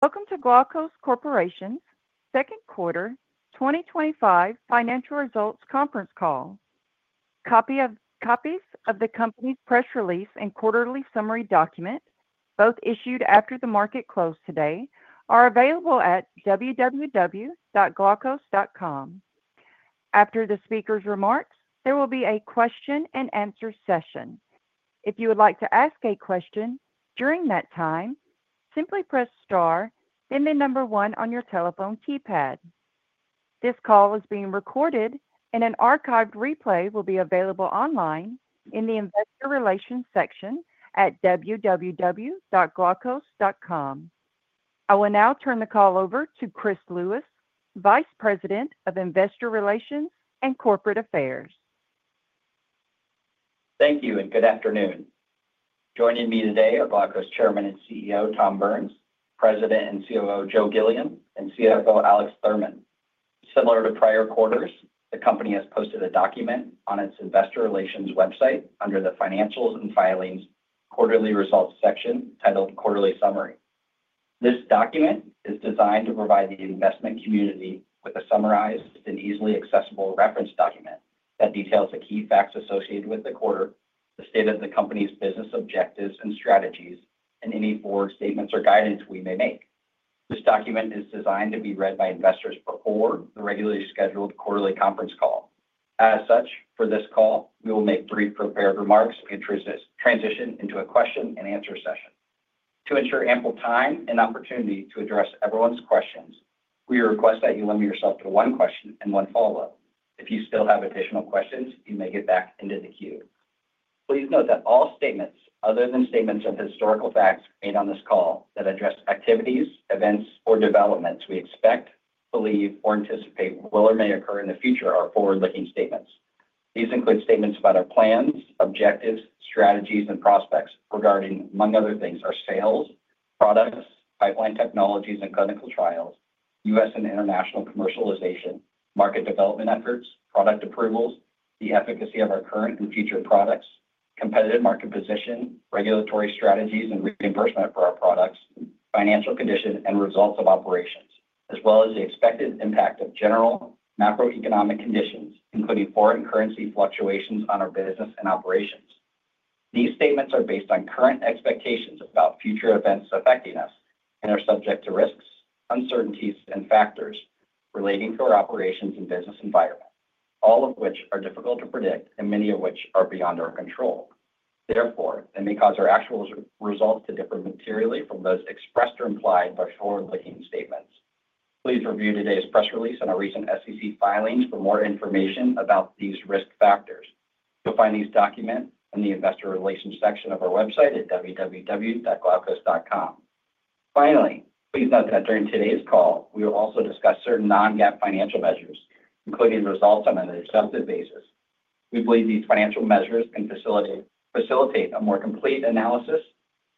Welcome to Glaukos Corporation's Second Quarter 2025 Financial Results Conference Call. Copies of the company's press release and quarterly summary document, both issued after the market closed today, are available at www.glaukos.com. After the speakers' remarks, there will be a question and answer session. If you would like to ask a question during that time, simply press star, then the number one on your telephone keypad. This call is being recorded and an archived replay will be available online in the Investor Relations section at www.glaukos.com. I will now turn the call over to Chris Lewis, Vice President of Investor Relations and Corporate Affairs. Thank you and good afternoon. Joining me today are Glaukos Corporation's Chairman and CEO Thomas Burns, President and COO Joseph Gilliam, and CFO Alex Thurman. Similar to prior quarters, the company has posted a document on its investor relations website under the Financials and Filings Quarterly Results section. Titled Quarterly Summary, this document is designed to provide the investment community with a summarized and easily accessible reference document that details the key facts associated with the quarter, the state of the company's business, objectives and strategies, and any forward statements or guidance we may make. This document is designed to be read by investors before the regularly scheduled quarterly conference call. As such, for this call we will make brief prepared remarks and transition into a question and answer session. To ensure ample time and opportunity to address everyone's questions, we request that you limit yourself to one question and one follow up. If you still have additional questions, you may get back into the queue. Please note that all statements other than statements of historical facts made on this call that address activities, events or developments we expect, believe or anticipate will or may occur in the future are forward looking statements. These include statements about our plans, objectives, strategies and prospects regarding, among other things, our sales, products, pipeline, technologies and clinical trials, U.S. and international commercialization, market development efforts, product approvals, the efficacy of our current and future products, competitive market position, regulatory strategies and reimbursement for our products, financial condition and results of operations, as well as the expected impact of general macroeconomic conditions, including foreign currency fluctuations, on our business and operations. These statements are based on current expectations about future events affecting us and are subject to risks, uncertainties and factors relating to our operations and business environment, all of which are difficult to predict and many of which are beyond our control. Therefore, they may cause our actual results to differ materially from those expressed or implied by forward looking statements. Please review today's press release and our recent SEC filings for more information about these risk factors. You'll find these documents in the Investor Relations section of our website at www.glaukos.com. Finally, please note that during today's call we will also discuss certain non-GAAP financial measures, including results on an adjusted basis. We believe these financial measures can facilitate a more complete analysis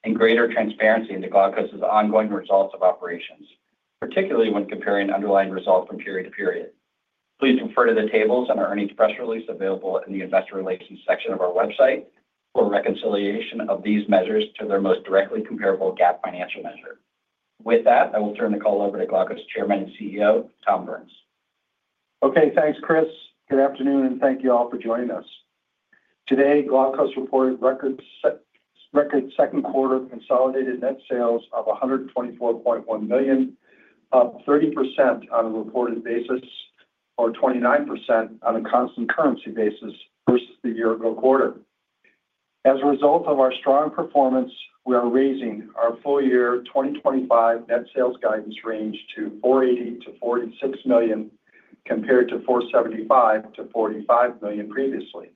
and greater transparency into Glaukos Corporation's ongoing results of operations, particularly when comparing underlying results from period to period. Please refer to the tables in our earnings press release available in the Investor Relations section of our website for reconciliation of these measures to their most directly comparable GAAP financial measure. With that, I will turn the call over to Glaukos Corporation's Chairman and CEO Thomas Burns. Okay, thanks Chris. Good afternoon and thank you all for joining us today. Glaukos reported record second quarter consolidated net sales of $124.1 million, up 30% on a reported basis or 29% on a constant currency basis versus the year ago quarter. As a result of our strong performance, we are raising our full year 2025 net sales guidance range to $480 million-$486 million compared to $475 million-$485 million previously.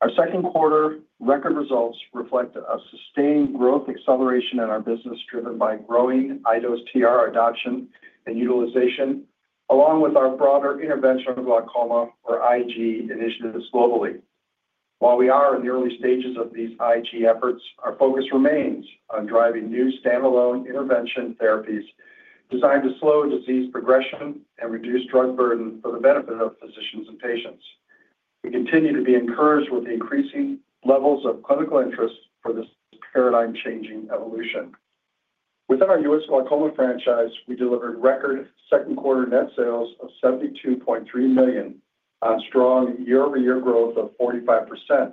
Our second quarter record results reflect a sustained growth acceleration in our business driven by growing iDose TR adoption and utilization along with our broader interventional glaucoma, or IG, initiatives globally. While we are in the early stages of these IG efforts, our focus remains on driving new standalone intervention therapies designed to slow disease progression and reduce drug burden for the benefit of physicians and patients. We continue to be encouraged with the increasing levels of clinical interest for this paradigm-changing evolution. Within our U.S. glaucoma franchise. We delivered record second quarter net sales of $72.3 million on strong year-over-year growth of 45%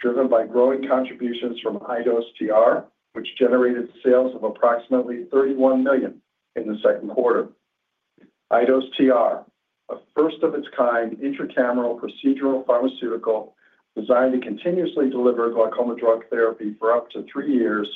driven by growing contributions from iDose TR, which generated sales of approximately $31 million in the second quarter. iDose TR, a first-of-its-kind intracameral procedural pharmaceutical designed to continuously deliver glaucoma drug therapy for up to three years,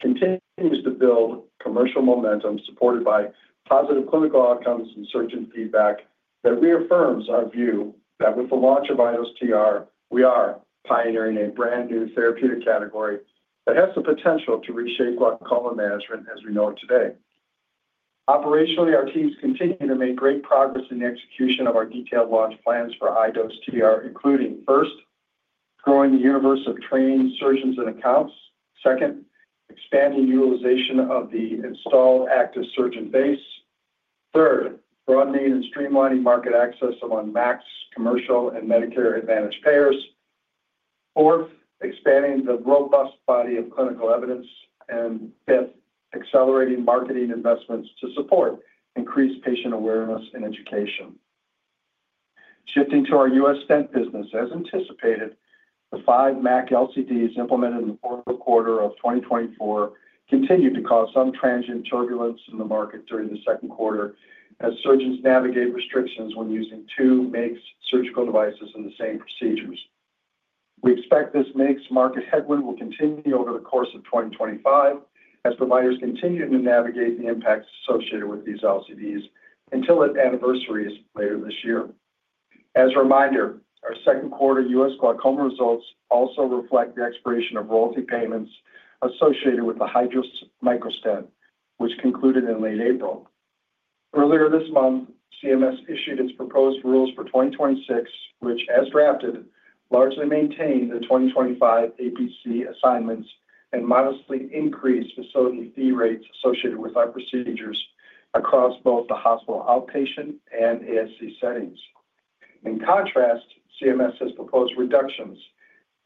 continues to build commercial momentum supported by positive clinical outcomes and surgeon feedback that reaffirms our view that with the launch of iDose TR we are pioneering a brand new therapeutic category that has the potential to reshape glaucoma management as we know it today. Operationally, our teams continue to make great progress in the execution of our detailed launch plans for iDose TR including, first, growing the universe of trained surgeons and accounts; second, expanding utilization of the installed active surgeon base; third, broadening and streamlining market access among MACs, commercial, and Medicare Advantage payers; fourth, expanding the robust body of clinical evidence; and fifth, accelerating marketing investments to support increased patient awareness and education. Shifting to our U.S. stent business, as anticipated, the five MAC LCDs implemented in the fourth quarter of 2024 continued to cause some transient turbulence in the market during the second quarter as surgeons navigate restrictions when using two MIGS surgical devices in the same procedures. We expect this MACs market headwind will continue over the course of 2025 as providers continue to navigate the impacts associated with these LCDs until it anniversaries later this year. As a reminder, our second quarter U.S. glaucoma results also reflect the expiration of royalty payments associated with the Hydrus microstent, which concluded in late April. Earlier this month, CMS issued its proposed rules for 2026, which as drafted, largely maintain the 2025 APC assignments and modestly increase facility fee rates associated with our procedures across both the hospital outpatient and ASC settings. In contrast, CMS has proposed reductions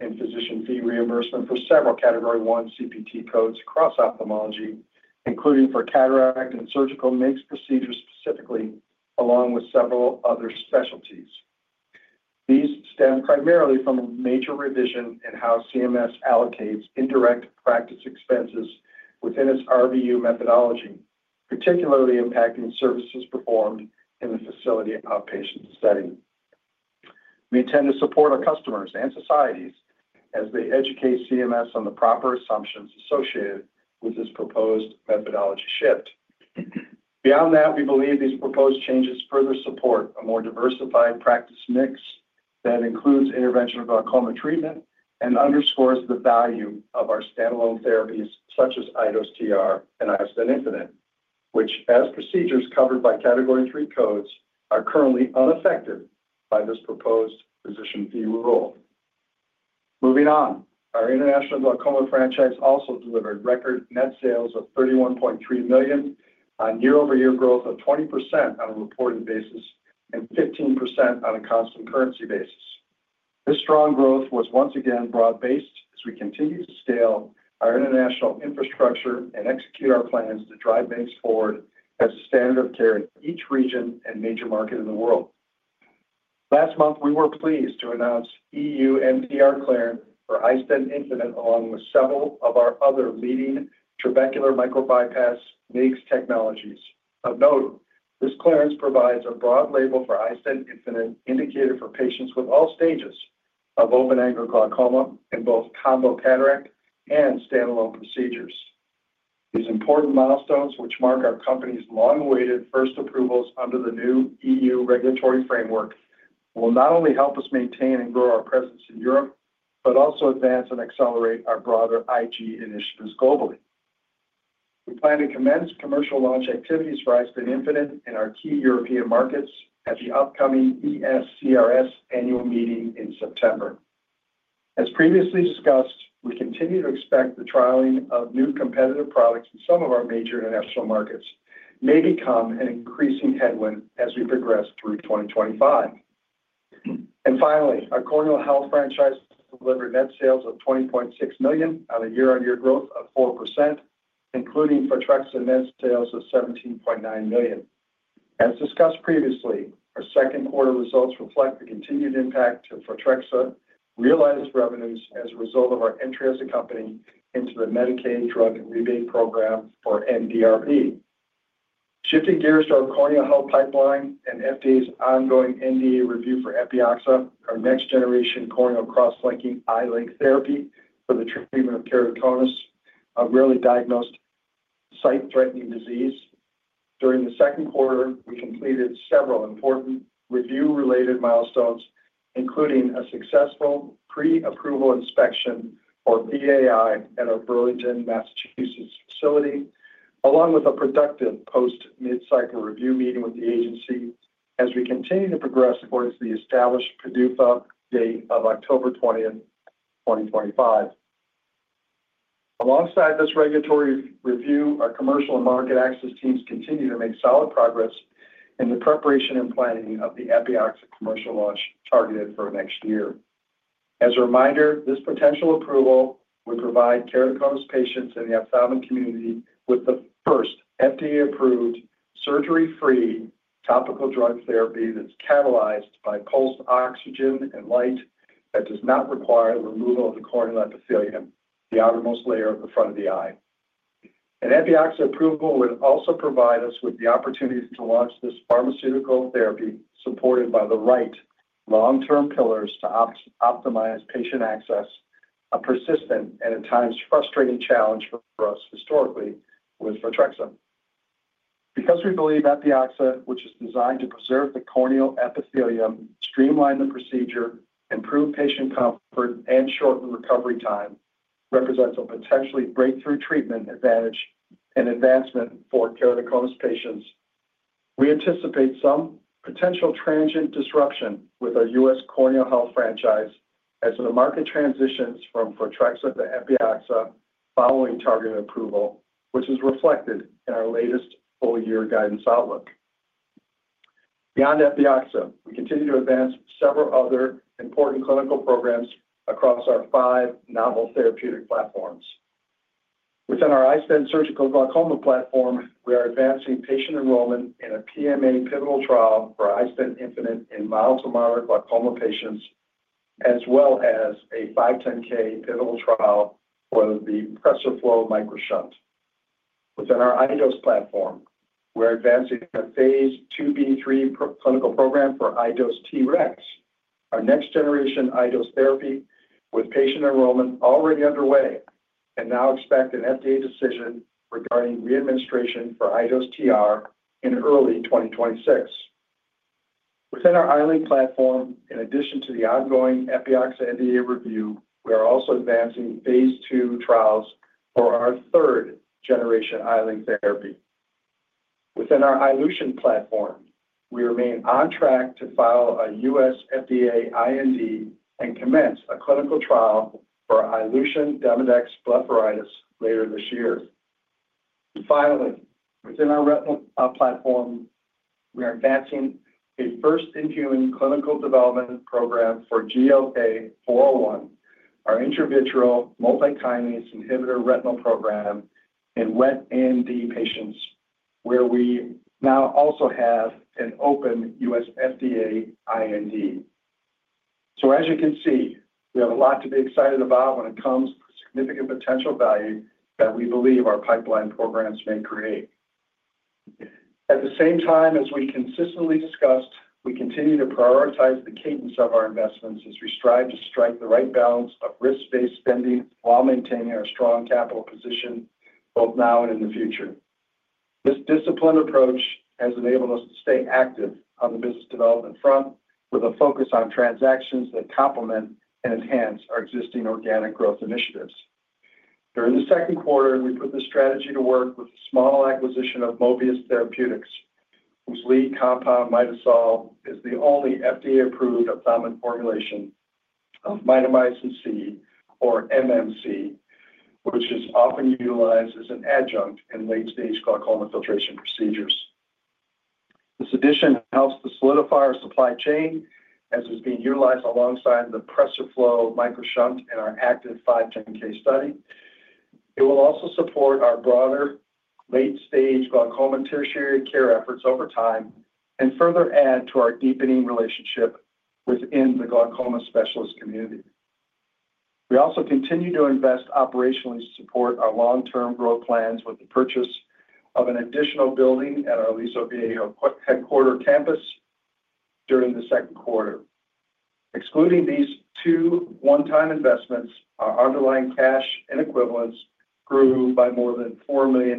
in physician fee reimbursement for several Category 1 CPT codes across ophthalmology, including for cataract and surgical MIGS procedures specifically, along with several other specialties. These stem primarily from a major revision in how CMS allocates indirect practice expenses within its RVU methodology, particularly impacting services performed in the facility outpatient setting. We intend to support our customers and societies as they educate CMS on the proper assumptions associated with this proposed methodology shift. Beyond that, we believe these proposed changes further support a more diversified practice mix that includes interventional glaucoma treatment and underscores the value of our standalone therapies such as iDose TR and iStent Infinite, which as procedures covered by Category 3 codes, are currently unaffected by this proposed physician fee rule. Moving on, our international glaucoma franchise also delivered record net sales of $31.3 million on year-over-year growth of 20% on a reported basis and 15% on a constant currency basis. This strong growth was once again broad-based as we continue to scale our international infrastructure and execute our plans to drive iStent forward as standard of care in each region and major market in the world. Last month we were pleased to announce EU MDR clearance for iStent Infinite along with several of our other leading trabecular micro-bypass MIGS technologies. Of note, this clearance provides a broad label for iStent Infinite indicated for patients with all stages of open-angle glaucoma in both combo cataract and standalone procedures. These important milestones, which mark our company's long-awaited first approvals under the new EU regulatory framework, will not only help us maintain and grow our presence in Europe, but also advance and accelerate our broader IG initiatives globally. We plan to commence commercial launch activities for iStent Infinite in our key European markets at the upcoming ESCRS Annual Meeting in September. As previously discussed, we continue to expect the trialing of new competitive products in some of our major international markets may become an increasing headwind as we progress through 2025. Finally, our Corneal Health franchise delivered net sales of $20.6 million on a year-on-year growth of 4%, including Photrexa and M6 sales of $17.9 million. As discussed previously, our second quarter results reflect the continued impact of Photrexa realized revenues as a result of our entry as a company into the Medicaid Drug Rebate Program or MDRP. Shifting gears to our corneal health pipeline and FDA's ongoing NDA review for Epioxa, our next-generation, non-invasive corneal cross-linking therapy for the treatment of keratoconus, a rarely diagnosed sight-threatening disease. During the second quarter, we completed several important review-related milestones, including a successful pre-approval inspection or PAI at our Burlington, Massachusetts facility, along with a productive post mid-cycle review meeting with the agency as we continue to progress towards the established PDUFA date of October 20, 2025. Alongside this regulatory review, our commercial and market access teams continue to make solid progress in the preparation and planning of the Epioxa commercial launch targeted for next year. As a reminder, this potential approval would provide keratoconus patients in the ophthalmic community with the first FDA-approved, surgery-free topical drug therapy that's catalyzed by pulsed oxygen and light that does not require the removal of the corneal epithelium, the outermost layer of the front of the eye. An Epioxa approval would also provide us with the opportunity to launch this pharmaceutical therapy supported by the right long-term pillars to optimize patient access. A persistent and at times frustrating challenge for us historically with Photrexa because we believe Epioxa, which is designed to preserve the corneal epithelium, streamline the procedure, improve patient comfort, and shorten recovery time, represents a potentially breakthrough treatment advantage and advancement for keratoconus patients. We anticipate some potential transient disruption with our U.S. Corneal Health franchise as the market transitions from Photrexa to Epioxa following targeted approval, which is reflected in our latest full year guidance outlook. Beyond Epioxa, we continue to advance several other important clinical programs across our five novel therapeutic platforms. Within our iStent Surgical Glaucoma platform, we are advancing patient enrollment in a PMA pivotal trial for iStent Infinite in mild to moderate glaucoma patients, as well as a 510(k) pivotal trial for the PRESERFLO MicroShunt. Within our iDose platform, we're advancing a phase IIb/III clinical program for iDose TREX, our next generation iDose therapy, with patient enrollment already underway, and now expect an FDA decision regarding readministration for iDose TR in early 2026. Within our iLink platform, in addition to the ongoing Epioxa NDA review, we are also advancing phase II trials for our third generation iLink therapy. Within our iLution platform, we remain on track to file a U.S. FDA IND and commence a clinical trial for iLution Demodex Blepharitis later this year. Finally, within our retinal platform, we are advancing a first-in-human clinical development program for GLK-401, our intravitreal multikinase inhibitor retinal program in wet AMD patients, where we now also have an open U.S. FDA IND. As you can see, we have a lot to be excited about when it comes to significant potential value that we believe our pipeline programs may create. At the same time, as we consistently discussed, we continue to prioritize the cadence of our investments as we strive to strike the right balance of risk-based spending while maintaining our strong capital position both now and in the future. This disciplined approach has enabled us to stay active on the business development front with a focus on transactions that complement and enhance our existing organic growth initiatives. During the second quarter, we put this strategy to work with the small acquisition of Mobius Therapeutics, whose lead compound Mitosol is the only FDA approved ophthalmic formulation of Mitomycin C, or MMC, which is often utilized as an adjunct in late-stage glaucoma filtration procedures. This addition helps to solidify our supply chain as it is being utilized alongside the PRESERFLO MicroShunt in our active 510(k) study. It will also support our broader late-stage glaucoma tertiary care efforts over time and further add to our deepening relationship within the glaucoma specialist community. We also continue to invest operationally to support our long-term growth plans with the purchase of an additional building at our leased Aliso Viejo headquarters campus during the second quarter. Excluding these two one-time investments, our underlying cash and equivalents grew by more than $4 million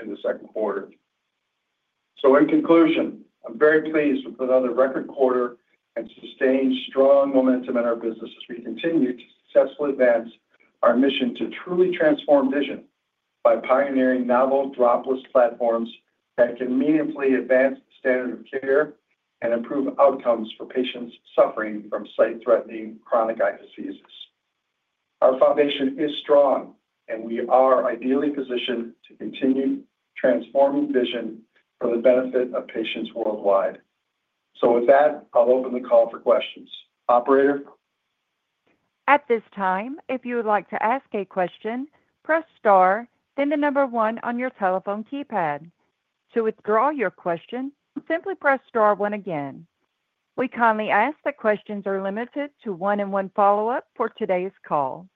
in the second quarter. In conclusion, I'm very pleased with another record quarter and sustained strong momentum in our business as we continue to successfully advance our mission to truly transform vision by pioneering novel dropless platforms that can meaningfully advance the standard of care and improve outcomes for patients suffering from sight-threatening chronic eye diseases. Our foundation is strong, and we are ideally positioned to continue transforming vision for the benefit of patients worldwide. With that, I'll open the call for questions. Operator At this time, if you would like to ask a question, press star, then the number one on your telephone keypad. To withdraw your question, simply press star one again, we kindly ask that questions are limited to one on one. Follow up for today's call,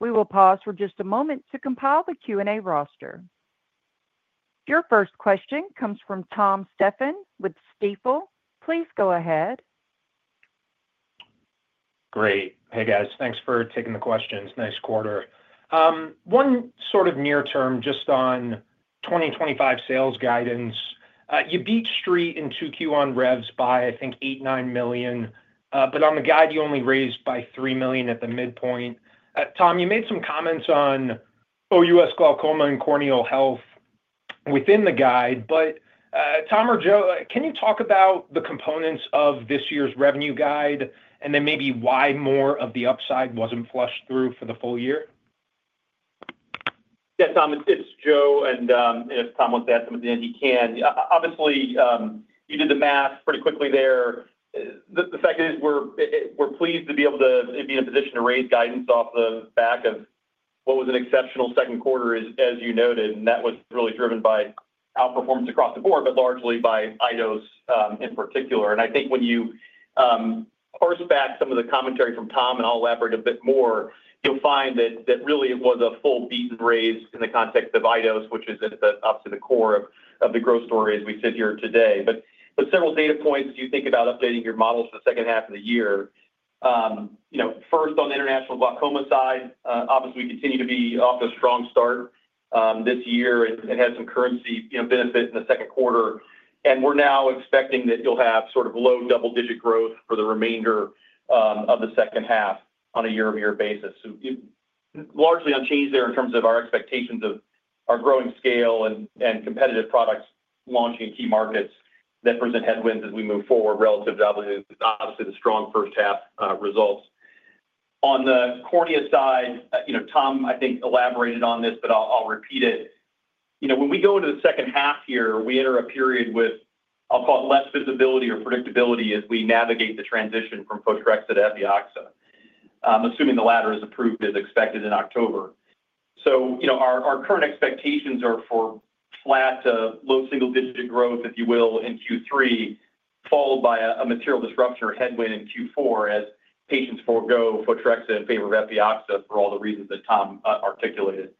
we will pause for just a moment to compile the Q&A roster. Your first question comes from Thomas Stephan with Stifel. Please go ahead. Great. Hey guys, thanks for taking the questions. Nice quarter. One sort of near term, just on 2025 sales guidance, you beat street in 2Q on revs by, I think, $8.9 million. On the guide, you only raised by $3 million at the midpoint. Tom, you made some comments on OUS glaucoma and corneal health within the guide. Tom or Joe, can you talk. About the components of this year's revenue guide and then maybe why more of. The upside wasn't flushed through for the full year? Yeah, Tom, it's Joe, and Tom wants to ask him at the end. He can obviously you did the math pretty quickly there. The fact is we're pleased to be able to be in a position to raise guidance off the back of what was an exceptional second quarter as you noted. That was really driven by outperformance across the board, but largely by iDose in particular. I think when you parse back some of the commentary from Tom and I'll elaborate a bit more, you'll find that really it was a full beat and raise in the context of iDose, which is at the core of the growth story as we sit here today. Several data points as you think about updating your models for the second half of the year. First, on the international glaucoma side, obviously we continue to be off a strong start this year and had some currency benefit in the second quarter and we're now expecting that you'll have sort of low double digit growth for the remainder of the second half on a year-over-year basis, largely unchanged there in terms of our expectations of our growing scale and competitive products launching in key markets that present headwinds as we move forward relative to the strong first half results. On the cornea side, Tom, I think, elaborated on this, but I'll repeat it. When we go into the second half here, we enter a period with, I'll call it, less visibility or predictability as we navigate the transition from Photrexa to Epioxa, assuming the latter is approved as expected in October. Our current expectations are for flat to low single digit growth, if you will, in Q3 followed by a material disruption or headwind in Q4 as patients forego Photrexa in favor of Epioxa for all the reasons that Tom articulated.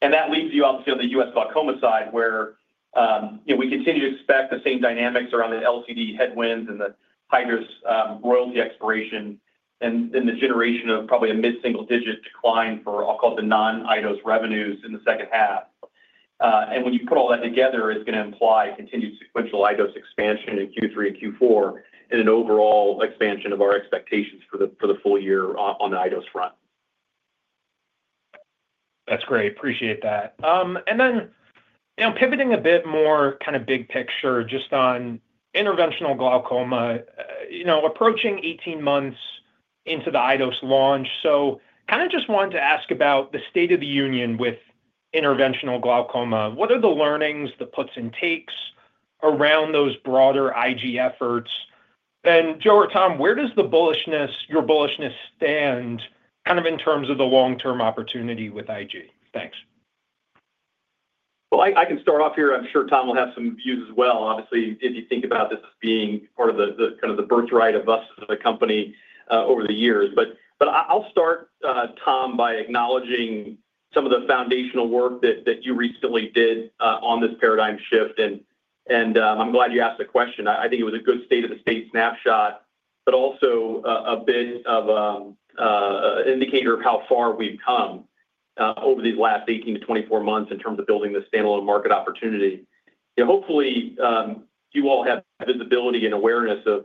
That leaves you on the U.S. glaucoma side where we continue to expect the same dynamics around the LCD headwinds and the Hydrus royalty expiration and then the generation of probably a mid single digit decline for, I'll call the non-iDose revenues in the second half. When you put all that together, it's going to imply continued sequential iDose expansion in Q3 and Q4 and an overall expansion of our expectations for the full year on the iDose front. That's great, appreciate that. Then pivoting a bit more kind. Of big picture just on interventional glaucoma. You know, approaching 18 months into the iDose launch. I just wanted to ask. About the state of the union with interventional glaucoma. What are the learnings, the puts and. Takes around those broader interventional glaucoma efforts? Joe or Tom, where does the. Bullishness, your bullishness stand kind of in Terms of the long term opportunity with IG? Thanks. I can start off here. I'm sure Tom will have some views as well. Obviously, if you think about this as being part of the kind of the birthright of us as a company over the years. I'll start, Tom, by acknowledging some of the foundational work that you recently did on this paradigm shift. I'm glad you asked the question. I think it was a good state of the state snapshot, but also a bit of indicator of how far we've come over these last 18 months-24 months in terms of building the standalone market opportunity. Hopefully, you all have visibility and awareness of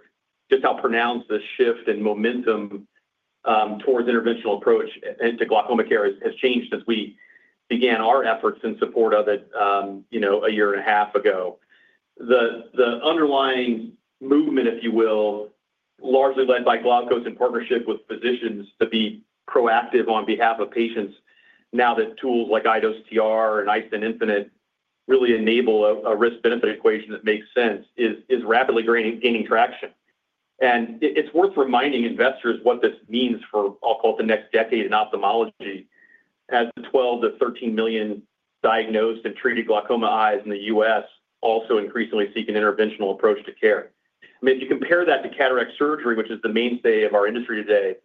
just how pronounced the shift in momentum towards interventional approach into glaucoma care has changed since we began our efforts in support of it a year and a half ago. The underlying movement, if you will, largely led by Glaukos in partnership with physicians to be proactive on behalf of patients now that tools like iDose TR and iStent Infinite really enable a risk benefit equation that makes sense, is rapidly gaining traction, and it's worth reminding investors what this means for, I'll call it, the next decade in ophthalmology. As the 12 million-13 million diagnosed and treated glaucoma eyes in the U.S. also increasingly seek an interventional approach to care. If you compare that to cataract surgery, which is the mainstay of our industry today,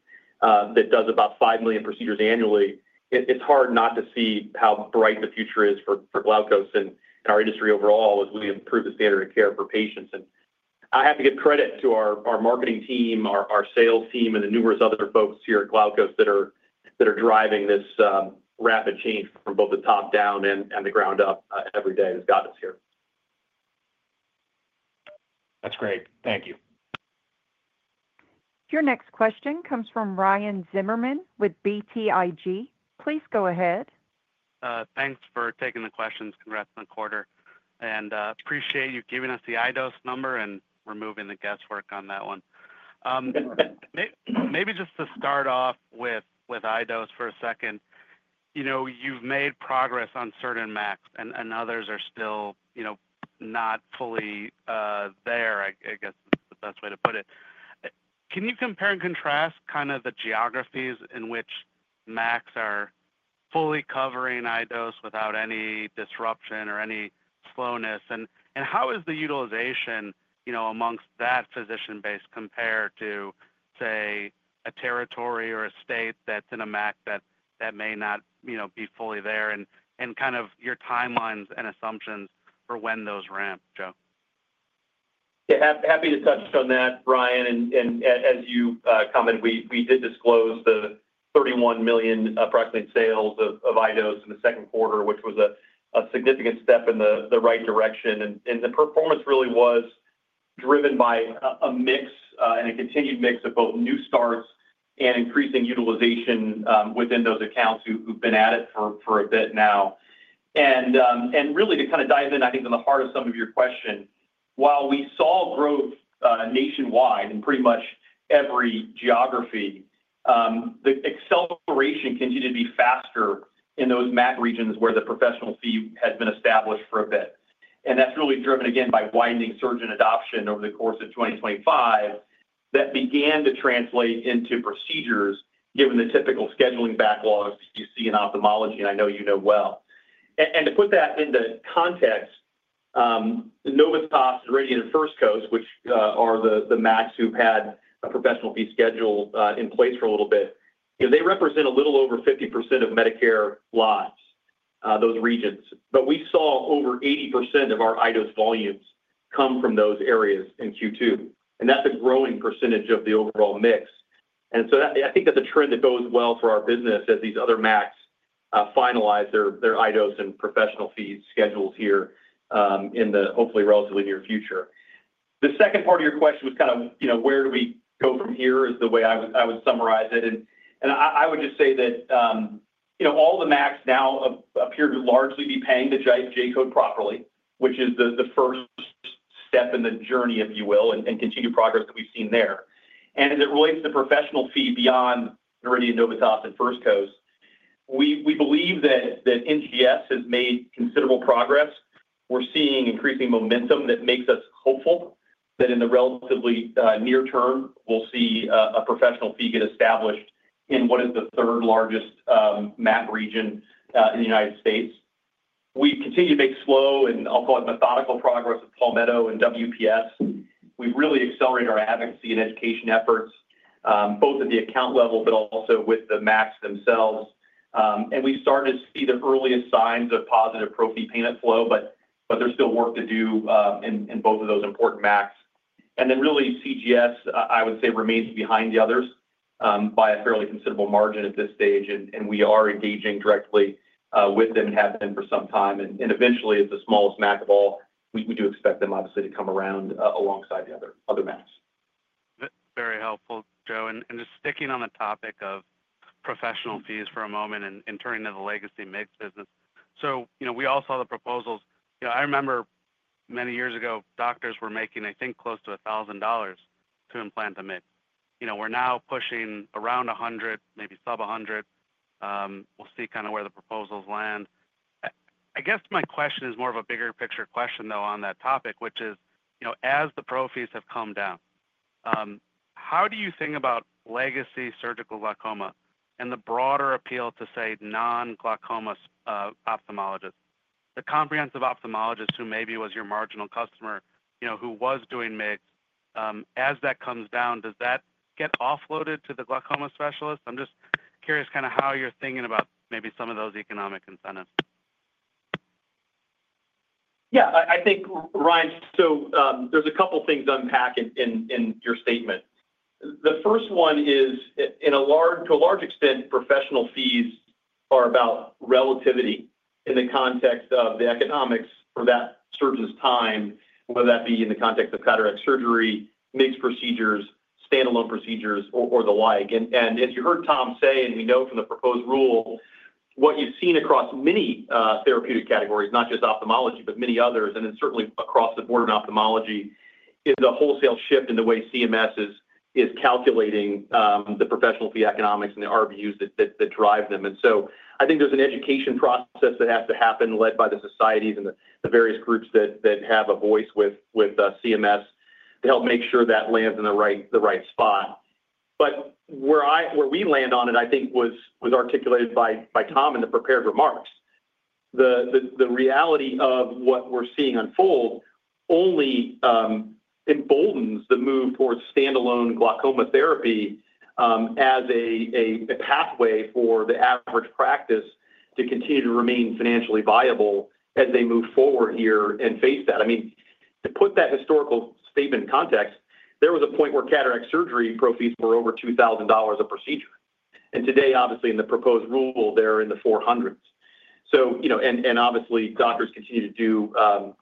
that does about 5 million procedures annually, it's hard not to see how bright the future is for Glaukos and our industry overall as we improve the standard of care for patients. I have to give credit to our marketing team, our sales team, and the numerous other folks here at Glaukos that are driving this rapid change from both the top down and the ground up. Every day has gotten us here. That's great. Thank you. Your next question comes from Ryan Zimmerman with BTIG. Please go ahead. Thanks for taking the questions. Congrats on the quarter and appreciate you giving us the iDose number and removing the guesswork on that one. Maybe just to start off with iDose for a second, you've made progress on certain MACs and others are still not fully there. I guess the best way to put it. Can you compare and contrast the geographies in which Medicare Administrative Contractors are fully covering iDose without any disruption or any slowness, and how is the utilization amongst that physician base compared to, say, a territory or a state that's in a Medicare Administrative Contractor that may not be fully there and your timelines and assumptions for when those ramp Joe. Yeah, happy to touch on that, Ryan. As you comment, we did disclose the $31 million approximate sales of iDose in the second quarter, which was a significant step in the right direction. The performance really was driven by a mix and a continued mix of both new starts and increasing utilization within those accounts who've been at it for a bit now. To kind of dive in, I think in the part of some of your question, while we saw growth nationwide in pretty much every geography, the acceleration continued to be faster in those MAC regions where the professional fee has been established for a bit. That is really driven again by widening surgeon adoption over the course of 2025. That began to translate into procedures given the typical scheduling backlogs you see in ophthalmology. I know you know well, and to put that into context, Novitas, Noridian, First Coast, which are the MACs who've had a professional fee schedule in place for a little bit, represent a little over 50% of Medicare lives, those regions. We saw over 80% of our iDose volumes come from those areas in Q2, and that's a growing percentage of the overall mix. I think that's a trend that goes well for our business as these other MACs finalize their iDose and professional fee schedules here in the hopefully relatively near future. The second part of your question was kind of, you know, where do we go from here, is the way I would summarize it. I would just say that all the MACs now appear to largely be paying the J-code properly, which is the first step in the journey, if you will, and continued progress that we've seen there. As it relates to professional fee beyond Noridian, Novitas, and First Coast, we believe that NGS has made considerable progress. We're seeing increasing momentum. That makes us hopeful that in the relatively near term we'll see a professional fee get established in what is the third largest MAC region in the United States. We continue to make slow and I'll call it methodical progress with Palmetto and WPS. We've really accelerated our advocacy and education efforts, both at the account level, but also with the MACs themselves. We started to see the earliest signs of positive proceed payment flow. But there is still work to do in both of those important MACs. CGs, I would say, remains behind the others by a fairly considerable margin at this stage. We are engaging directly with them and have been for some time. Eventually, as the smallest MAC of all, we do expect them obviously to come around alongside the other MACs. Very helpful, Joe. Just sticking on the topic of professional fees for a moment and turning to the legacy MIGS business. We all saw the proposals. I remember many years ago, doctors were making, I think, close to $1,000 to implant a MIGS. We're now pushing around $100, maybe sub-$100. We'll see kind of where the proposals land. I guess my question is more of a bigger picture question on that topic, which is, as the pro fees have calmed down, how do you think about legacy surgical glaucoma and the broader appeal to, say, non-glaucoma ophthalmologists, the comprehensive ophthalmologist, who maybe was your marginal customer, who was doing MIGS? As that comes down, does that get offloaded to the glaucoma specialist? I'm just curious how you're thinking about maybe some of those economic incentives. Yeah, I think, Ryan. There's a couple things to unpack in your statement. The first one is, to a large extent, professional fees are about relativity in the context of the economics for that surgeon's time, whether that be in the context of cataract surgery, MIGS procedures, standalone procedures, or the like. As you heard Tom say, and we know from the proposed rule, what you've seen across many therapeutic categories, not just ophthalmology but many others, and certainly across the board in ophthalmology, is a wholesale shift in the way CMS is calculating the professional fee economics and the RVUs that drive them. I think there's an education process that has to happen led by the societies and the various groups that have a voice with CMS to help make sure that lands in the right spot, but where we land on it, I think was articulated by Tom in the prepared remarks. The reality of what we're seeing unfold only emboldens the move towards standalone glaucoma therapy as a pathway for the average practice to continue to remain financially viable as they move forward here and face that. To put that historical statement in context, there was a point where cataract surgery proceeds were over $2,000 a procedure. Today, obviously in the proposed rule, they're in the $400s. Obviously, doctors continue to do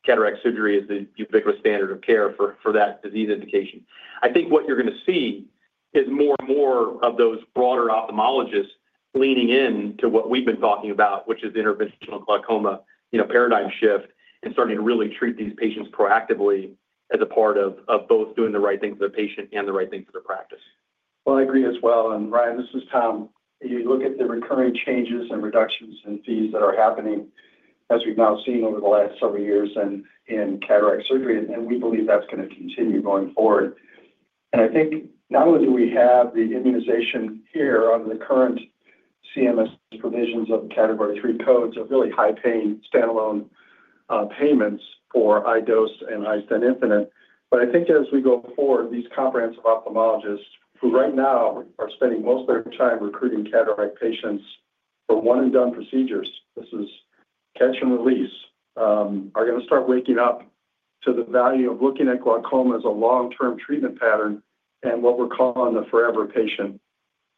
cataract surgery as the ubiquitous standard of care for that disease indication. I think what you're going to see is more and more of those broader ophthalmologists leaning in to what we've been talking about, which is interventional glaucoma paradigm shift and starting to really treat these patients proactively as a part of both doing the right thing for the patient and the right thing for the practice. I agree as well. Ryan, this is Tom. You look at the recurring changes and reductions in fees that are happening as we've now seen over the last several years in cataract surgery, and we believe that's going to continue going forward. I think not only do we have the immunization here under the current CMS provisions of category 3 codes of really high paying standalone payments for iDose and iStent Infinite, but I think as we go forward, these comprehensive ophthalmologists who right now are spending most of their time recruiting cataract patients for one and done procedures—this is catch and release—are going to start waking up to the value of looking at glaucoma as a long-term treatment pattern and what we're calling the forever patient.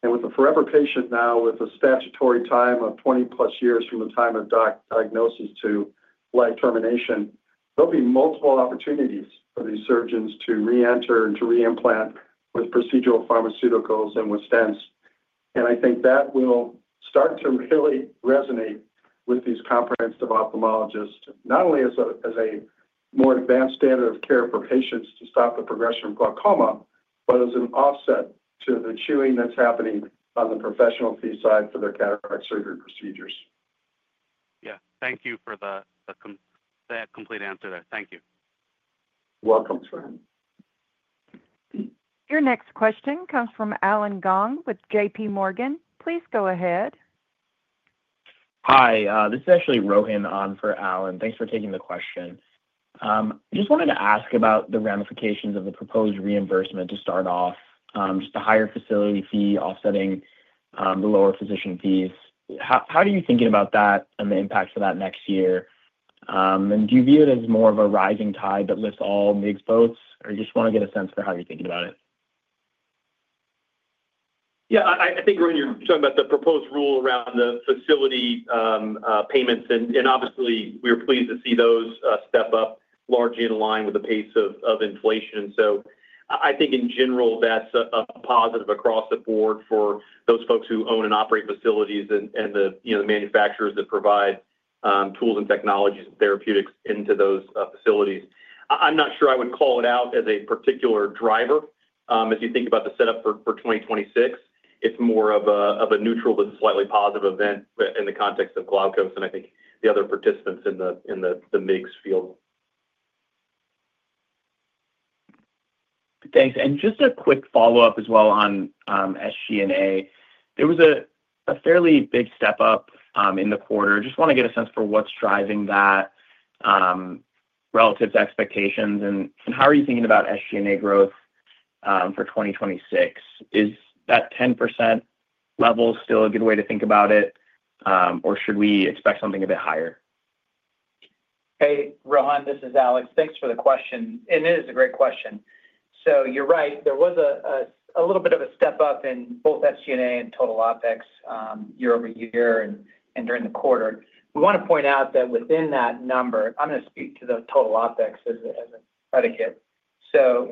With the forever patient, now with a statutory time of 20+ years from the time of diagnosis to life termination, there will be multiple opportunities for these surgeons to re-enter and to reimplant with procedural pharmaceuticals and with stents. I think that will start to really resonate with these comprehensive ophthalmologists not only as a more advanced standard of care for patients to stop the progression of glaucoma, but as an offset to the chewing that's happening on the professional fee side for their cataract surgery procedures. Yeah, thank you for the complete answer there. Thank you. Welcome Sir. Your next question comes from Rohin with JPMorgan. Please go ahead. Hi, this is actually Rohin on for Alan, and thanks for taking the question. I just wanted to ask about the ramifications of the proposed reimbursement. To start off, just a higher facility fee offsetting the lower physician fees. How do you think about that and the impact for that next year? Do you view it as more of a rising tide that lifts all? MIGS boats or you just want to get a sense for how you're thinking about it? Yeah, I think you're talking about the proposed rule around the facility payments, and obviously we were pleased to see those step up largely in line with the pace of inflation. I think in general that's a positive across the board for those folks who own and operate facilities and the manufacturers that provide tools and technologies and therapeutics into those facilities. I'm not sure I would call it out as a particular driver. As you think about the setup for 2026, it's more of a neutral but slightly positive event in the context of Glaukos and I think the other participants in the MIGS field. Thanks. Just a quick follow up as well on SG&A. There was a fairly big step up in the quarter. Just want to get a sense for what's driving that relative to expectations, and how are you thinking about SG&A growth for 2026? Is that 10% level still a good way to think about it, or should we expect something a bit higher? Hey Rohin, this is Alex. Thanks for the question, and it is a great question. You're right, there was a little bit of a step up in both SG&A and total OpEx year-over-year, and during the quarter we want to point out that within that number, I'm going to speak to the total OpEx as an aggregate.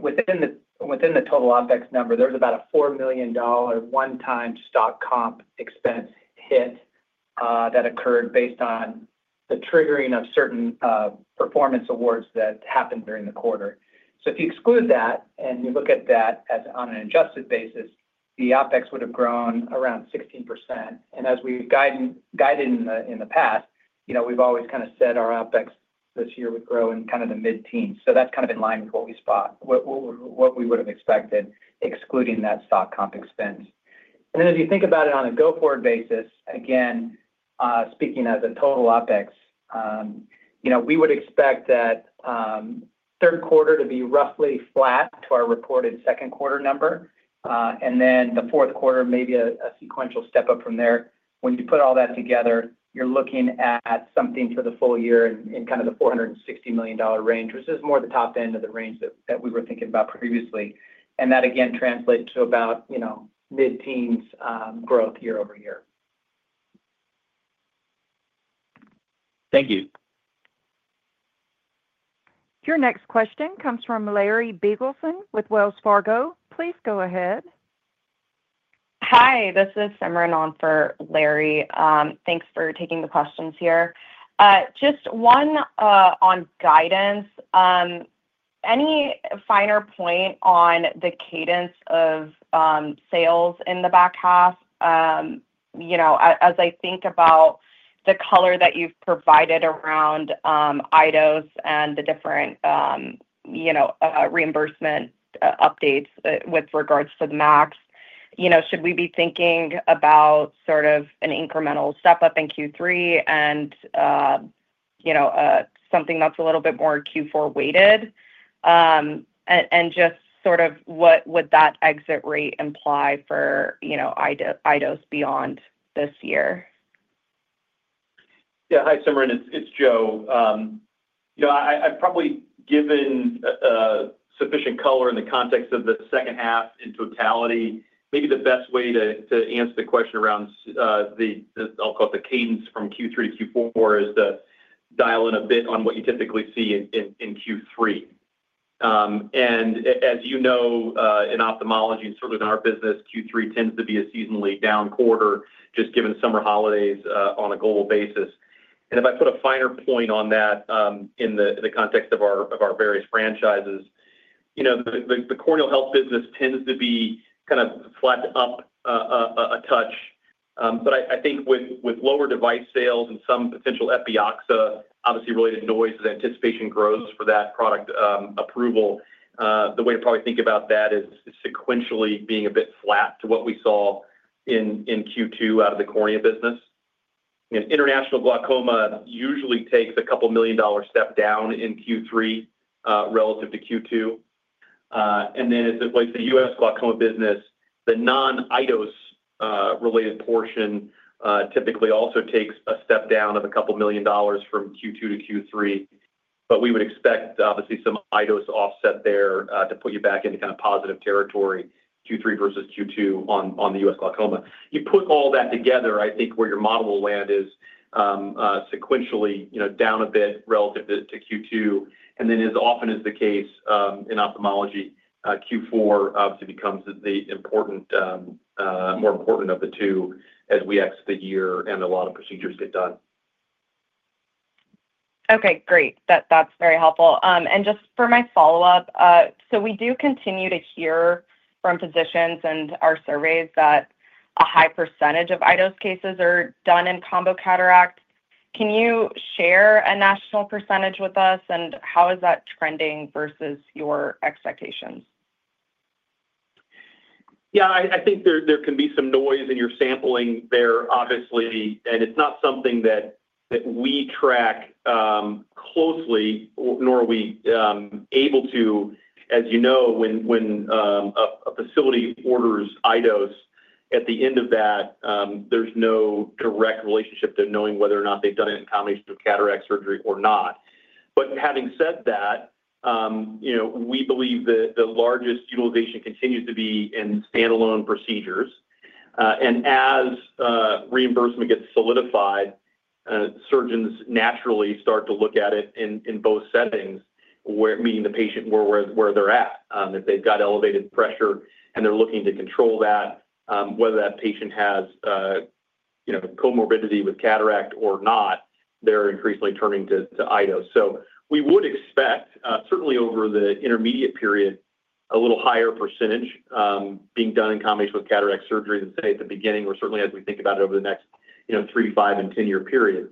Within the total OpEx number, there's about a $4 million one-time stock comp expense hit that occurred based on the triggering of certain performance awards that happened during the quarter. If you exclude that and you look at that on an adjusted basis, the OpEx would have grown around 16%. As we guided in the past, we've always kind of said our OpEx this year would grow in the mid-teens. That's in line with what we would have expected excluding that stock comp expense. As you think about it on a go-forward basis, again speaking as a total OpEx, we would expect that third quarter to be roughly flat to our reported second quarter number, and the fourth quarter may be a sequential step up from there. When you put all that together, you're looking at something for the full year in the $460 million range, which is more the top end of the range that we were thinking about previously. That again translates to about mid-teens growth year-over-year. Thank you. Your next question comes from Simran with Wells Fargo. Please go ahead. Hi, this is Simran on for Larry. Thanks for taking the questions here. Just one on guidance, any finer point on the cadence of sales in the back half? As I think about the color that you've provided around iDose and the different reimbursement updates with regards to the MACs, should we be thinking about sort of an incremental step up in Q3 and something that's a little bit more Q4 weighted and just sort of what would that exit rate imply for iDose beyond this year? Yeah, hi Simran, it's Joe. I've probably given sufficient color in the context of the second half in totality. Maybe the best way to answer the question around, I'll call it the cadence from Q3-Q4, is to dial in a bit on what you typically see in Q3. As you know, in ophthalmology, certainly in our business, Q3 tends to be a seasonally down quarter just given summer holidays on a global basis. If I put a finer point on that in the context of our various franchises, the corneal health business tends to be kind of flat up a touch. I think with lower device sales and some potential Epioxa obviously related noise as anticipation grows for that product approval, the way to probably think about that is sequentially being a bit flat to what we saw in Q2 out of the Cornea Business. International glaucoma usually takes a couple million dollar step down in Q3 relative to Q2. The U.S. glaucoma business, the non-iDose related portion, typically also takes a step down of a couple million dollars from Q2-Q3. We would expect obviously some iDose offset there to put you back into kind of positive territory Q3 versus Q2 on the U.S. glaucoma. You put all that together, I think where your model will land is sequentially down a bit relative to Q2. As often is the case in ophthalmology, Q4 becomes the important, more important of the two as we exit the year and a lot of procedures get done. Okay, great. That's very helpful. Just for my follow up, we do continue to hear from physicians and our surveys that a high percentage of iDose cases are done in combo cataract. Can you share a national percentage with us, and how is that trending versus your expectations? Yeah, I think there can be some noise in your sampling there, obviously, and it's not something that we track closely, nor are we able to. As you know, when a facility orders iDose at the end of that, there's no direct relationship to knowing whether or not they've done it in combination with cataract surgery or not. Having said that, we believe that the largest utilization continues to be in standalone procedures. As reimbursement gets solidified, surgeons naturally start to look at it in both settings, meeting the patient where they're at. If they've got elevated pressure and they're looking to control that, whether that patient has comorbidity with cataract or not, they're increasingly turning to iDose. We would expect certainly over the intermediate period a little higher percentage being done in combination with cataract surgery than, say, at the beginning or certainly as we think about it over the next three, five, and ten year period.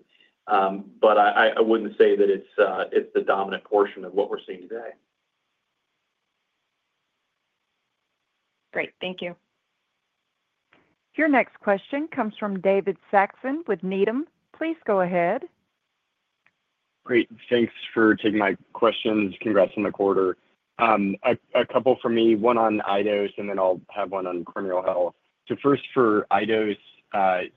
I wouldn't say that it's the dominant portion of what we're seeing today. Great, thank you. Your next question comes from David Saxon with Needham. Please go ahead. Great. Thanks for taking my questions. Congrats on the quarter. A couple for me. One on iDose and then I'll have. One on corneal health. For iDose,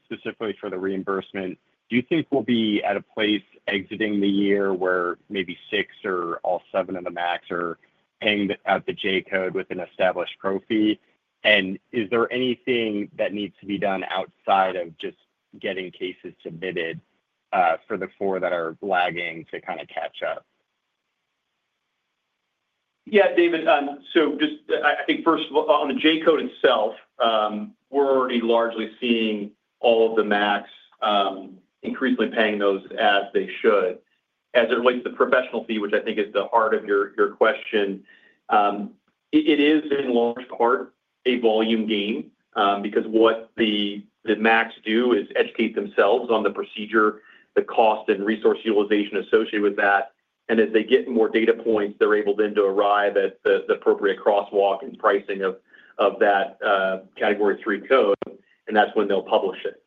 specifically for the reimbursement, do you think we'll be at a place exiting the year where maybe six or all seven of the MACs are paying out the J-code? An established professional fee? Is there anything that needs to? Be done outside of just getting cases submitted for the four that are lagging to kind of catch up. Yeah, David. Just, I think first of all on the iDose J-code itself, we're already largely seeing all of the MACs increasingly paying those as they should. As it relates to professional fee, which I think is the heart of your question, it is in large part a volume gain because what the MACs do is educate themselves on the procedure, the cost and resource utilization associated with that, and as they get more data points they're able then to arrive at the appropriate crosswalk and pricing of that category three code, and that's when they'll publish it.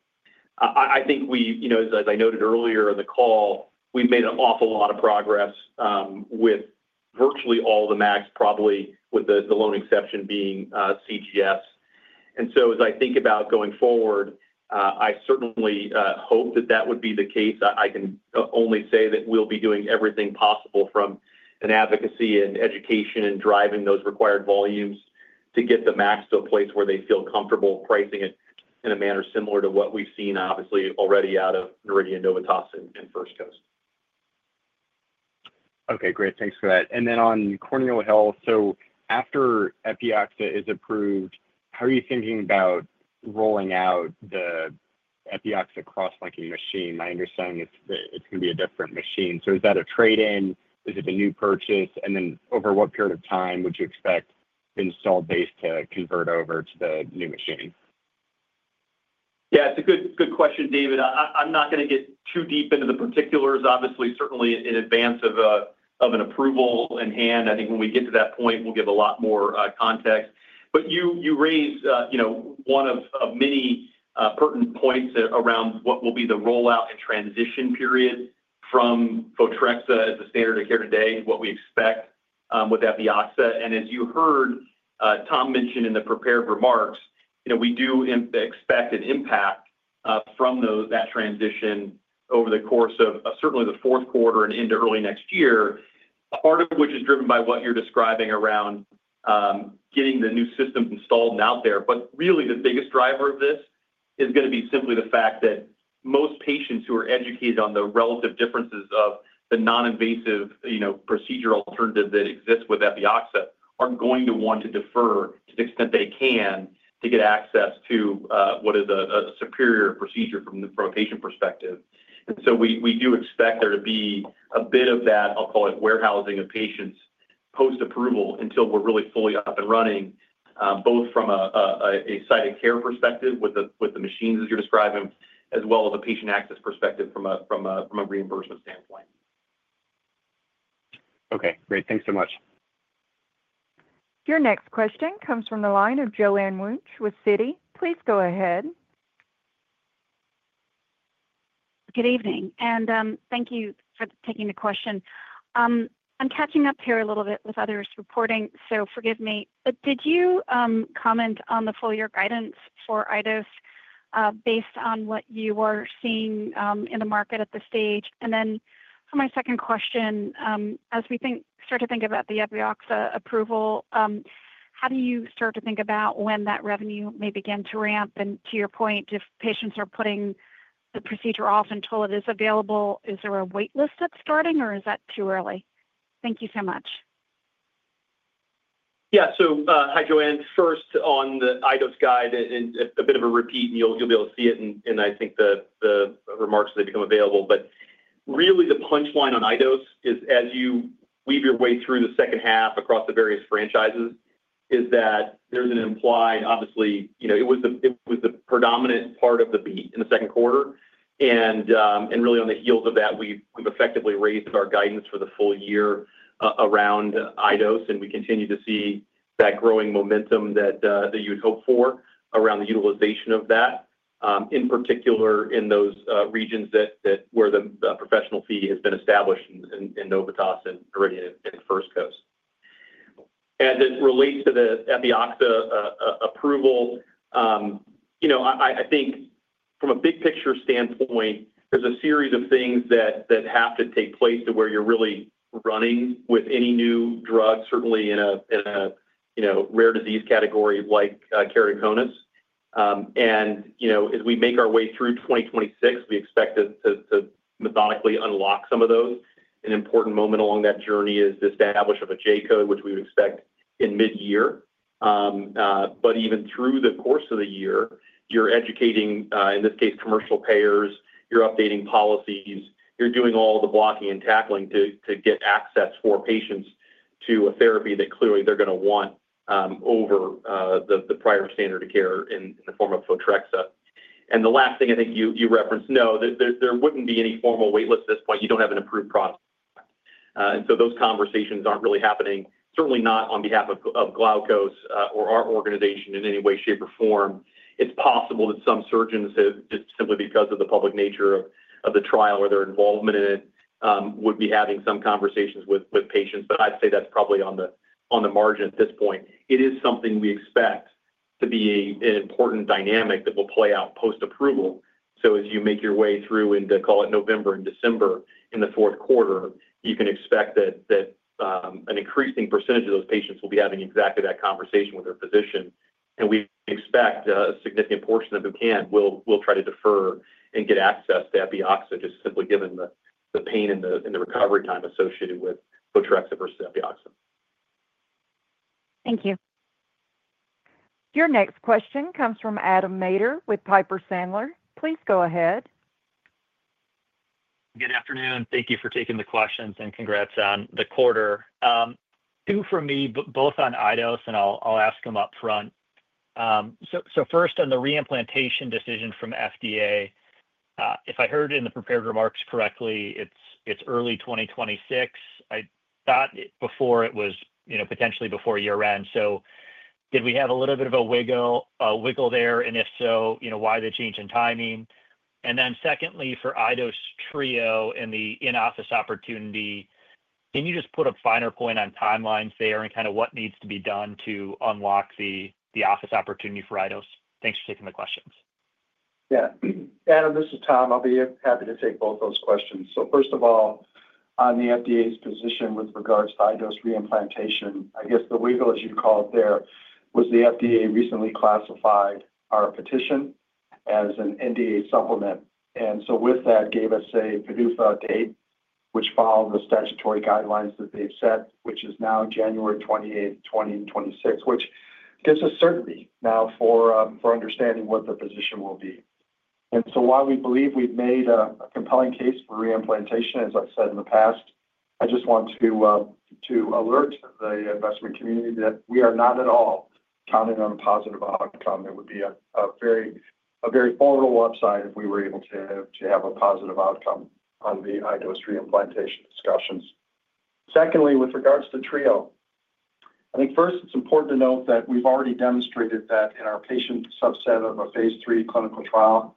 I think we, you know, as I noted earlier in the call, we've made an awful lot of progress with virtually all the MACs, probably with the lone exception being CGS. As I think about going forward, I certainly hope that that would be the case. I can only say that we'll be doing everything possible from an advocacy and education and driving those required volumes to get the MACs to a place where they feel comfortable pricing it in a manner similar to what we've seen obviously already out of Noridian, Novitas, and First Coast. Okay, great, thanks for that. On Corneal hill. After Epioxa is approved, how are you thinking about rolling out the Epioxa cross-linking machine? My understanding is that it's going to be a different machine. Is that a trade in?it a new purchase? Over what period of time? Would you expect installed base to convert? Over to the new machine? Yeah, it's a good question, David. I'm not going to get too deep into the particulars, obviously certainly in advance of an approval in hand. I think when we get to that point we'll give a lot more context. You raise one of many pertinent points around what will be the rollout and transition period from Photrexa as the standard of care today, what we expect with Epioxa. As you heard Tom mentioned in the prepared remarks, we do expect an impact from those that transition over the course of certainly the fourth quarter and into early next year, part of which is driven by what you're describing around getting the new system installed and out there. Really the biggest driver of this is going to be simply the fact that most patients who are educated on the relative differences of the non-invasive procedure alternative that exists with Epioxa are going to want to defer to the extent they can to get access to what is a superior procedure from a patient perspective. We do expect there to be a bit of that, I'll call it warehousing of patients post approval until we're really fully up and running, both from a site of care perspective with the machines, as you're describing, as well as a patient access perspective from a reimbursement standpoint. Okay, great. Thanks so much. Your next question comes from the line of Joanne Wuensch with Citigroup. Please go ahead. Good evening and thank you. Thank you for taking the question. I'm catching up here a little bit with others reporting, so forgive me, but did you comment on the full year guidance for iDose based on what you are seeing in the market at this stage? For my second question, as we start to think about the Epioxa approval, how do you start to think about when that revenue may begin to ramp? To your point, if patients are putting the procedure off until it is available, is there a wait list that's starting or is that too early? Thank you so much. Yeah, hi Joanne. First on the iDose guide and a bit of a repeat and you'll be able to see it. I think the remarks, they become available. Really the punchline on iDose is as you weave your way through the second half across the various franchises, there's an implied, obviously, you know, it was the predominant part of the beat in the second quarter. Really on the heels of that, we've effectively raised our guidance for the full year around iDose and we continue to see that growing momentum that you'd hope for around the utilization of that, in particular in those regions where the professional fee has been established in Novitas and Noridian and First Coast as it relates to the Epioxa approval. I think from a big picture standpoint, there's a series of things that have to take place to where you're really running with any new drug, certainly in a rare disease category like keratoconus. As we make our way through 2026, we expect to methodically unlock some of those. An important moment along that journey is the establishment of a J-code, which we would expect in mid-year. Even through the course of the year you're educating, in this case commercial payers, you're updating policies, you're doing all the blocking and tackling to get access for patients to a therapy that clearly they're going to want over the prior standard of care in the form of Photrexa. The last thing I think you referenced, no, there wouldn't be any formal wait list at this point, you don't have an approved product. Those conversations aren't really happening, certainly not on behalf of Glaukos or our organization in any way, shape or form. It's possible that some surgeons, just simply because of the public nature of the trial or their involvement in it, would be having some conversations with patients, but I'd say that's probably on the margin at this point. It is something we expect to be an important dynamic that will play out post approval. As you make your way through into, call it, November and December in the fourth quarter, you can expect that an increasing percentage of those patients will be having exactly that conversation with their physician. We expect a significant portion of who can try to defer and get access to Epioxa just simply given the pain and the recovery time associated with Photrexa versus Epioxa. Thank you. Your next question comes from Adam Maeder with Piper Sandler. Please go ahead. Good afternoon. Thank you for taking the questions, and congrats on the quarter. Two for me both on iDose and I'll ask them up front. First, on the reimplantation decision from FDA, if I heard in the prepared remarks correctly, it's early 2026, before it was, you know, potentially before year end. Did we have a little bit of a wiggle there? If so, you know, why the change in timing? Secondly, for iDose Trio and the in-office opportunity, can you just put a finer point on timelines there and kind of what needs to be done to unlock the office opportunity for iDose? Thanks for taking the questions. Yeah, Adam, this is Tom. I'll be happy to take both those questions. First of all, on the FDA's position with regards to high dose reimplantation, the wiggle, as you call it, there was the FDA recently classified our petition as an NDA supplement. With that, it gave us a PDUFA date which followed the statutory guidelines that they've set, which is now January 28, 2026, which gives us certainty now for understanding what the position will be. While we believe we've made a compelling case for reimplantation, as I've said in the past, I just want to alert the investment community that we are not at all counting on a positive outcome. It would be a very formidable upside if we were able to have a positive outcome on the high dose reimplantation discussions. Secondly, with regards to iDose Trio, I think first it's important to note that we've already demonstrated that in our patient subset of a phase III clinical trial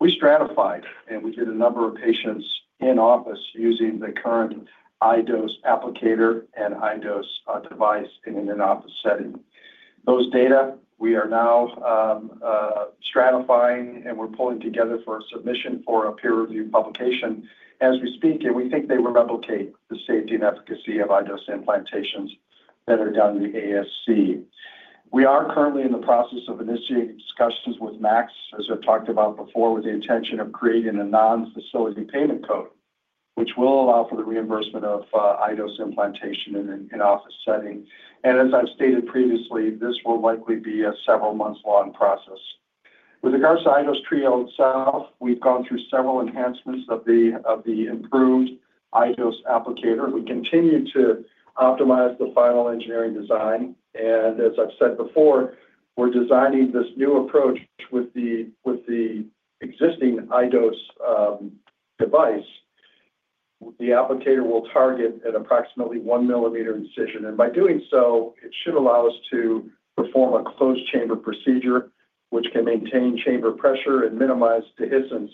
we stratified and we did a number of patients in office using the current iDose applicator and iDose device in an office setting. Those data we are now stratifying and we're pulling together for submission for a peer-reviewed publication as we speak, and we think they would replicate the safety and efficacy of iDose implantations that are done in the ASC. We are currently in the process of initiating discussions with MACs, as I've talked about before, with the intention of creating a non-facility payment code which will allow for the reimbursement of iDose implantation in an office setting. As I've stated previously, this will likely be a several months long process. With regards to iDose Trio itself, we've gone through several enhancements of the improved iDose applicator. We continue to optimize the final engineering design and as I've said before, we're designing this new approach with the existing iDose device. The applicator will target an approximately 1mm incision and by doing so it should allow us to perform a closed chamber procedure which can maintain chamber pressure and minimize dehiscence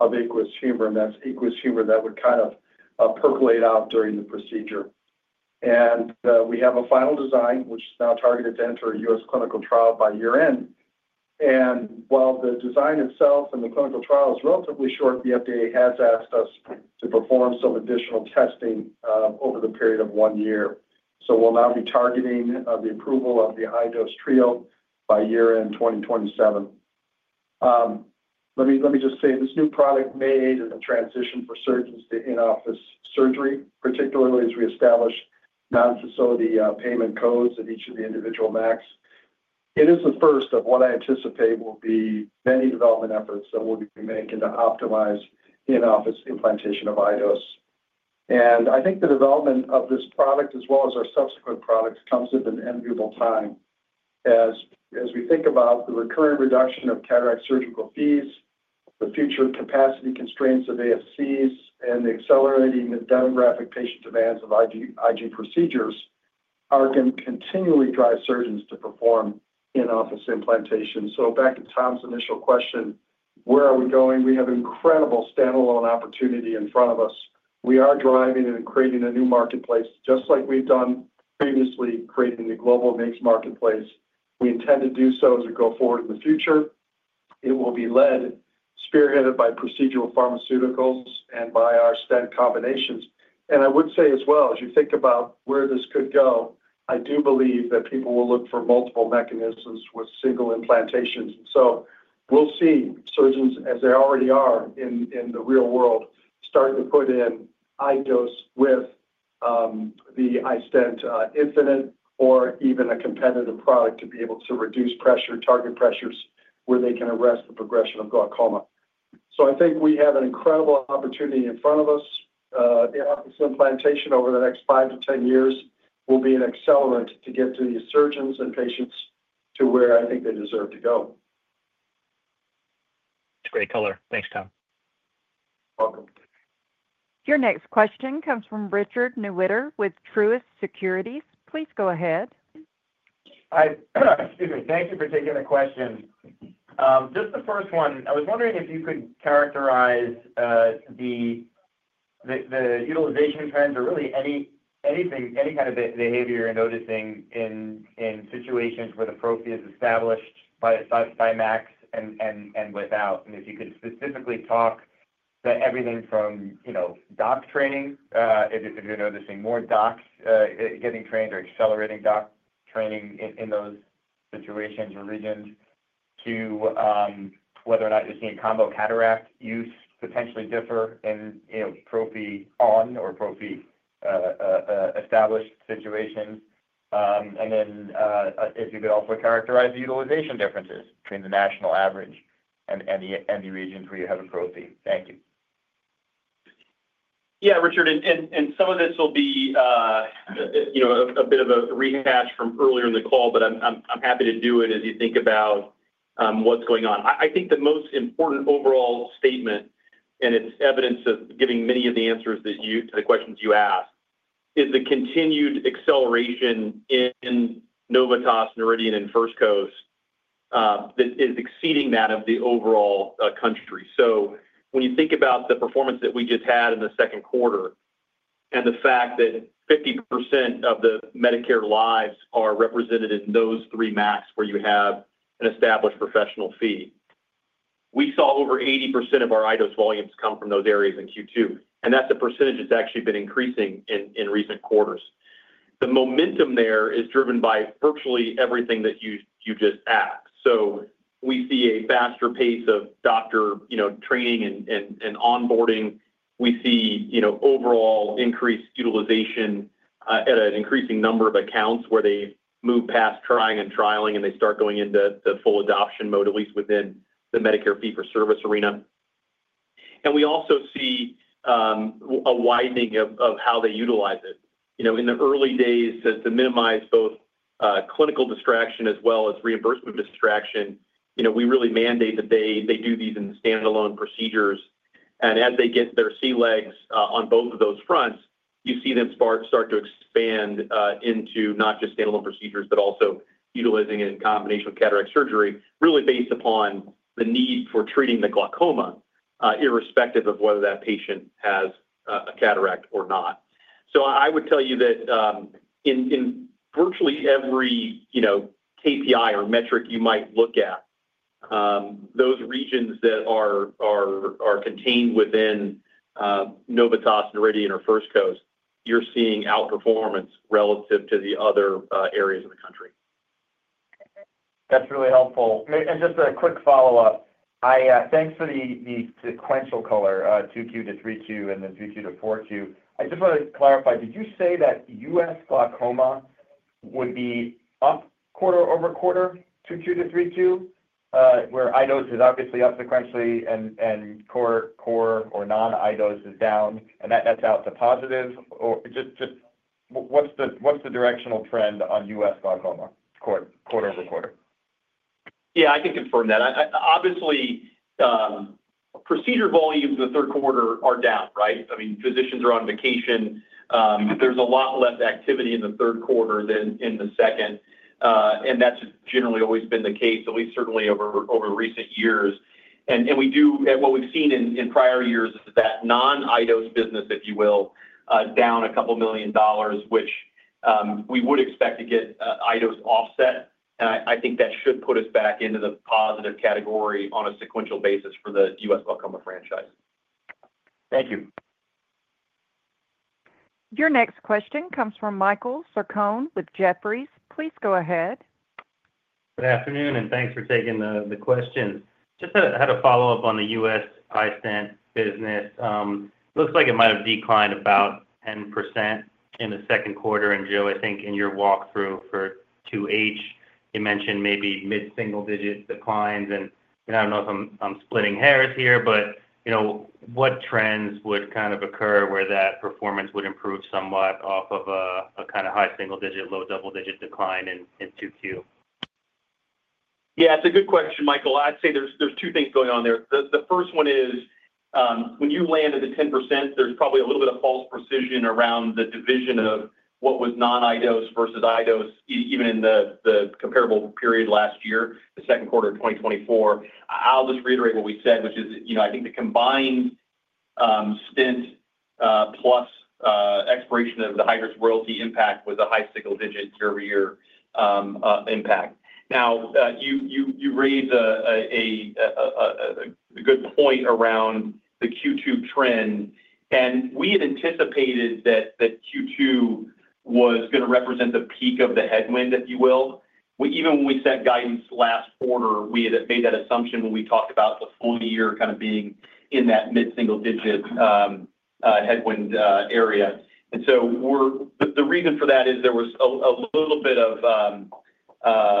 of aqueous humor. That's aqueous humor that would kind of percolate out during the procedure. We have a final design which is now targeted to enter a U.S. clinical trial by year end. While the design itself and the clinical trial is relatively short, the FDA has asked us to perform some additional testing over the period of one year. We will now be targeting the approval of the high dose iDose Trio by year end 2027. Let me just say this new product may aid in the transition for surgeons to in-office surgery, particularly as we establish non-facility payment codes at each of the individual MACs. It is the first of what I anticipate will be many development efforts that we will be making to optimize in-office implantation of iDose. I think the development of this product as well as our subsequent products comes at an enviable time as we think about the recurring reduction of cataract surgical fees, the future capacity constraints of ASCs, and the accelerating demographic patient demands of IG procedures that are going to continually drive surgeons to perform in-office implantations. Back to Tom's initial question. Where are we going? We have incredible standalone opportunity in front of us. We are driving and creating a new marketplace just like we've done previously creating the global MIGS marketplace. We intend to do so as we go forward in the future. It will be led, spearheaded by procedural pharmaceuticals and by our stent combinations. I would say as well as you think about where this could go, I do believe that people will look for multiple mechanisms with single implantations. We will see surgeons, as they already are in the real world, start to put in iDose with the iStent Infinite or even a competitive product to be able to reduce target pressures where they can arrest the progression of glaucoma. I think we have an incredible opportunity in front of us. Implantation over the next five to ten years will be an accelerant to get the surgeons and patients to where I think they deserve to go. It's a great color. Thanks, Tom. Your next question comes from Richard Newitter with Truist Securities. Please go ahead. Thank you for taking the question. Just the first one. I was wondering if you could characterize. The utilization trends or really any kind of behavior you're noticing in situations where the professional fee is established by MACs and without. If you could specifically talk to everything from doc training, if you're noticing more docs getting trained or accelerating docs training in those situations or regions, too. Whether or not you're seeing combo cataract. Use potentially differ in prophy-on or prophy-established situations. Could you also characterize the utilization differences between the national average? The regions where you have a professional fee. Thank you. Yeah, Richard. Some of this will be a bit of a rehash from earlier in the call, but I'm happy to do it. As you think about what's going on, I think the most important overall statement, and it's evidence of giving many of the answers to the questions you asked, is the continued acceleration in Novitas, Noridian, and First Coast that is exceeding that of the overall country. When you think about the performance that we just had in the second quarter and the fact that 50% of the Medicare lives are represented in those three MACs where you have an established professional fee, we saw over 80% of our iDose volumes come from those areas in Q2, and that's a percentage that's actually been increasing in recent quarters. The momentum there is driven by virtually everything that you just asked. We see a faster pace of doctor training and onboarding. We see overall increased utilization at an increasing number of accounts where they move past trying and trialing and they start going into the full adoption mode, at least within the Medicare fee-for-service arena. We also see a widening of how they utilize it. In the early days, to minimize both clinical distraction as well as reimbursement distraction, we really mandate that they do these in standalone procedures. As they get their sea legs on both of those fronts, you see them start to expand into not just standalone procedures, but also utilizing it in combination with cataract surgery, really based upon the need for treating the glaucoma, irrespective of whether that patient has a cataract or not. I would tell you that in virtually every KPI or metric, you might look at those regions that are contained within Novitas, Noridian, or First Coast, you're seeing outperformance relative to the other areas of the country. That's really helpful. Just a quick follow up. Thanks for the sequential growth. 2Q-3Q and then 2Q- 4Q. I just want to clarify, did you say that U.S. glaucoma would be up quarter-over-quarter, 2Q-3Q, where iDose is obviously up sequentially and core. Non-iDose is down and that's. Out to positive or just what's the directional trend on U.S. glaucoma quarter-over-quarter? Yeah, I can confirm that. Obviously, procedure volumes in the third quarter are down, right? I mean, physicians are on vacation. There's a lot less activity in the third quarter than in the second. That has generally always been the case, at least certainly over recent years. What we've seen in prior years is that non-iDose business, if you will, is down a couple million dollars, which we would expect to get iDose offset. I think that should put us back into the positive category on a sequential basis for the U.S. Glaucoma franchise. Thank you. Your next question comes from Michael Sarcone with Jefferies. Please go ahead. Good afternoon and thanks for taking the questions. Just had a follow-up on the U.S. iStent business. Looks like it might have declined about 10% in the second quarter. Joe, I think in your walkthrough. For 2H you mentioned maybe mid single digit declines. I don't know if I'm splitting hairs here, but what trends would kind of occur where that performance would improve somewhat off of a kind of high single digit, low double digit decline in Q2. Yeah, it's a good question, Michael. I'd say there's two things going on there. The first one is when you land at the 10%, there's probably a little bit of false precision around the division of what was non-iDose versus iDose even in the comparable period last year, the second quarter of 2024. I'll just reiterate what we said which is, you know, I think the combined stent plus expiration of the Hydrus royalty impact was a high single digit year-over-year impact. Now you raised a good point around the Q2 trend. We had anticipated that Q2 was going to represent the peak of the headwind if you will. Even when we set guidance last quarter we made that assumption when we talked about the full year kind of being in that mid single digit headwinds area. The reason for that is there was a little bit of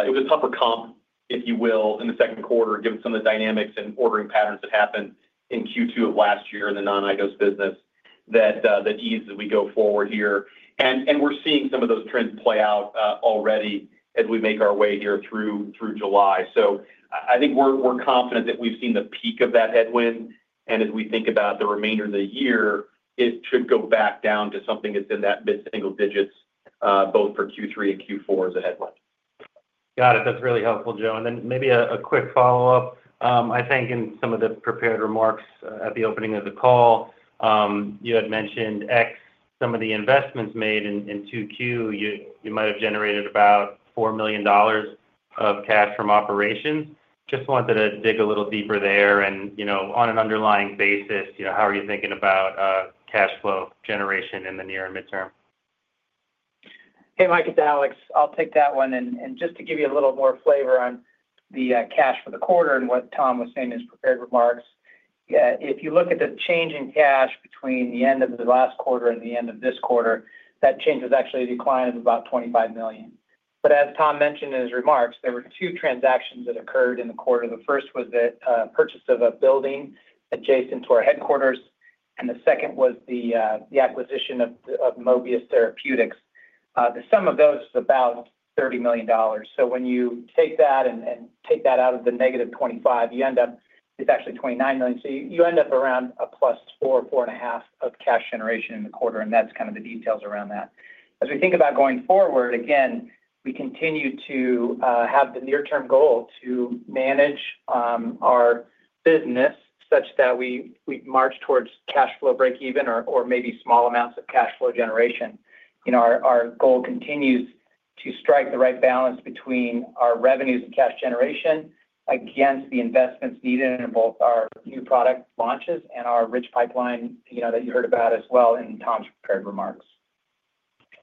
it was a tougher comp if you will in the second quarter given some of the dynamics and ordering patterns that happened in Q2 of last year in the non-iDose business that ease as we go forward here and we're seeing some of those trends play out already as we make our way here through July. I think we're confident that we've seen the peak of that headwind and as we think about the remainder of the year it should go back down to something that's in that mid single digits both for Q3 and Q4 as a headline. Got it. That's really helpful Joe. And then maybe a quick follow up. I think in some of the prepared remarks. Remarks at the opening of the call you had mentioned some of the. Investments made in 2Q you might have. Generated about $4 million of cash from operations. I just wanted to dig a little deeper there. On an underlying basis, how are you thinking about cash flow generation in the near and midterm? Hey Mike, it's Alex. I'll take that one. Just to give you a little more flavor on the cash for the quarter and what Tom was saying in his prepared remarks, if you look at the change in cash between the end of the last quarter and the end of this quarter, that change was actually a decline of about $25 million. As Tom mentioned in his remarks, there were two transactions that occurred in the quarter. The first was the purchase of a building adjacent to our headquarters and the second was the acquisition of Mobius Therapeutics. The sum of those is about $30 million. When you take that and take that out of the -$25 million, you end up it's actually $29 million. You end up around a +4, 4.5 of cash generation in the quarter. That's kind of the details around that as we think about going forward again. We continue to have the near term goal to manage our business such that we march towards cash flow break even or maybe small amounts of cash flow generation. Our goal continues to strike the right balance between our revenues and cash generation against the investments needed in both our new product launches and our rich pipeline in, you know, that you heard about as well in Tom's prepared remarks.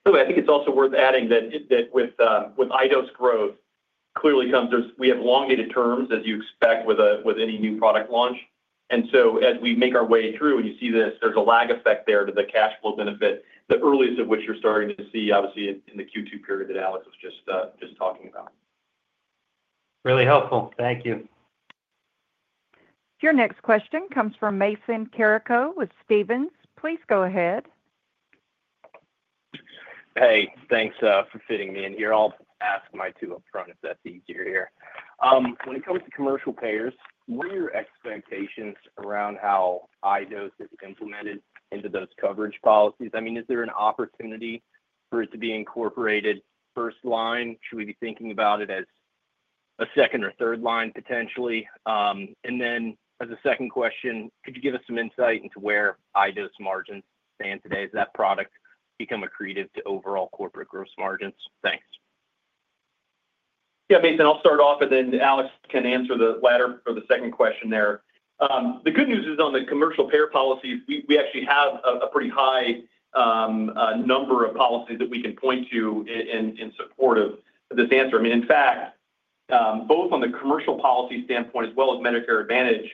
I think it's also worth adding that with iDose growth clearly comes. There's we have long-dated terms as you expect with any new product launch, and as we make our way through and you see this, there's a lag effect there to the cash flow benefit, the earliest of which you're starting to see obviously in the Q2 period that Alex was just talking about. Really helpful, thank you. Your next question comes from Mason Carrico with Stephens. Please go ahead. Hey, thanks for fitting me in here. I'll ask my two up front if that's easier here. When it comes to commercial payers, what? Are your expectations around how iDose is implemented into those coverage policies? I mean, is there an opportunity for it to be incorporated first line, should we be thinking about it as a second or third line potentially? As a second question, could you give us some insight into where iDose margins stand today? Does that product become accretive to overall corporate gross margins? Thanks. Yeah, Mason, I'll start off and then Alex can answer the latter for the second question there. The good news is on the commercial payer policy we actually have a pretty high number of policies that we can point to in support of. In fact, both on the commercial policy standpoint as well as Medicare Advantage,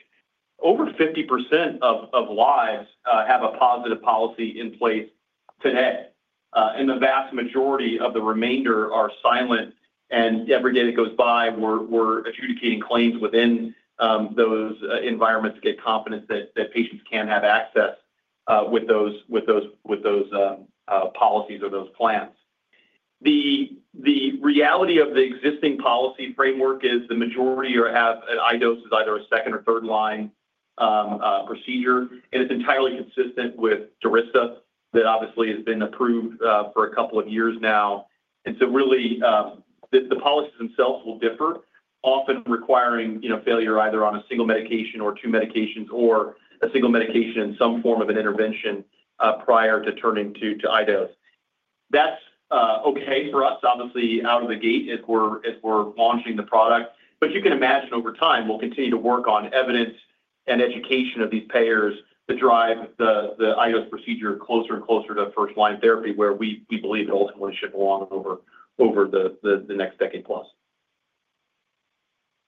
over 50% of lives have a positive policy in place today and the vast majority of the remainder are silent. Every day that goes by we're adjudicating claims within those environments and get confidence that patients can have access with those policies or those plans. The reality of the existing policy framework is the majority have iDose as either a second or third line procedure and it's entirely consistent with Durysta that obviously has been approved for a couple of years now. The policies themselves will differ, often requiring failure either on a single medication or two medications or a single medication in some form of an intervention prior to turning to iDose. That's okay for us out of the gate as we're launching the product, but you can imagine over time we'll continue to work on evidence and education of these payers to drive the iDose procedure closer and closer to first line therapy, where we believe it ultimately should belong over the next decade plus.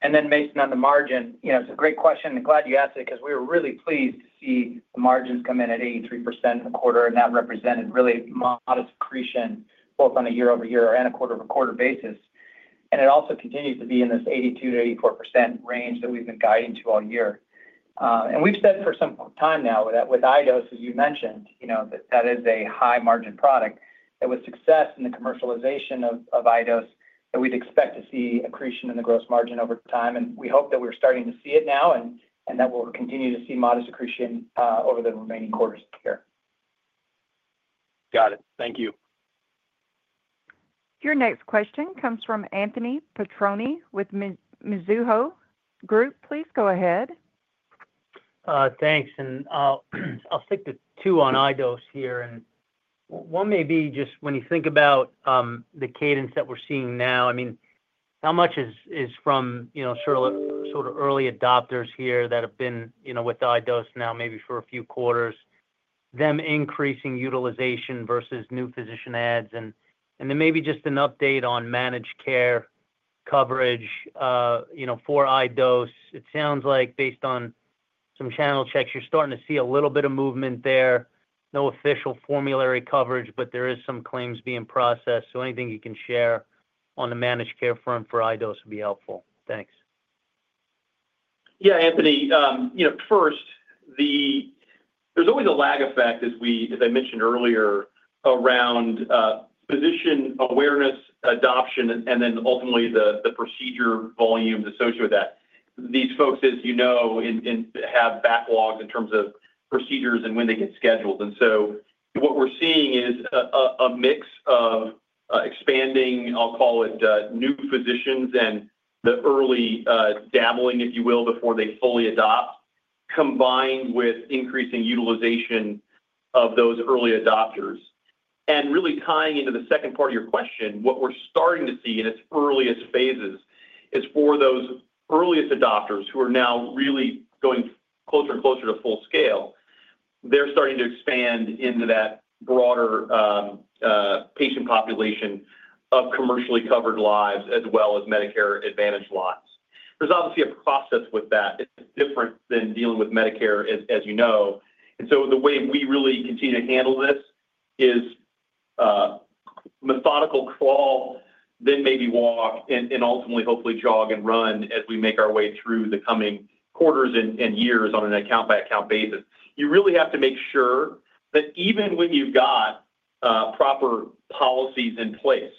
Mason, on the margin, it's a great question and glad. You asked it because we were really pleased to see the margins come in at 83% in the quarter. That represented really modest accretion both on a year over year and a quarter by quarter basis. It also continues to be in. This 82%-84% range that we've been guiding to all year. We've said for some time now that with iDose, as you mentioned, that is a high margin product. That was success in the commercialization of iDose, and we'd expect to see accretion in the gross margin over time. We hope that we're starting to see it now and that we'll continue to see modest accretion over the remaining quarters here. Got it. Thank you. Your next question comes from Anthony Petrone with Mizuho. Please go ahead. Thanks. I'll stick to two on iDose here. One, when you think about the cadence that we're seeing now, how much is from early adopters here that have been with iDose now maybe for a few quarters, them increasing utilization versus new physician adds, and then maybe just an update on managed care coverage for iDose. It sounds like based on some channel checks, you're starting to see a little bit of movement there. No official formulary coverage, but there are some claims being processed. Anything you can share on the managed care front for iDose would be helpful. Thanks. Yeah. Anthony, first, there's always a lag effect, as I mentioned earlier, around physician awareness, adoption, and then ultimately the procedure volumes associated with that. These folks, as you know, have backlogs in terms of procedures and when they get scheduled. What we're seeing is a mix of expanding, I'll call it new physicians and the early dabbling, if you will, before they fully adopt, combined with increasing utilization of those early adopters and really tying into the second part of your question. What we're starting to see in its earliest phases is for those earliest adopters who are now really going closer and closer to full scale, they're starting to expand into that broader patient population of commercially covered lives as well as Medicare Advantage lives. There's obviously a process with that. It's different than dealing with Medicare, as you know. The way we really continue to handle this is methodical crawl, then maybe walk and ultimately hopefully jog and run as we make our way through the coming quarters and years on an account by account basis. You really have to make sure that even when you've got proper policies in place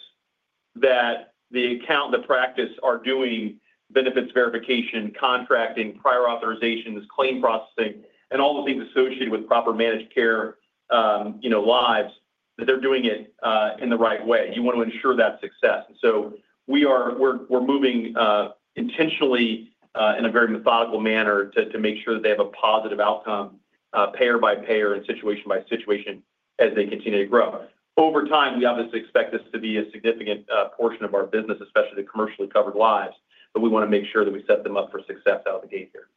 that the account, the practice, are doing benefits verification, contracting, prior authorizations, claim processing, and all the things associated with proper managed care lives, that they're doing it in the right way. You want to ensure that success. We are moving intentionally, in a very methodical manner to make sure that they have a positive outcome, payer by payer and situation by situation, as they continue to grow over time we obviously expect this to be a significant portion of our business, especially the commercially covered lives, but we want to make sure that we set them up for success out of the gate here.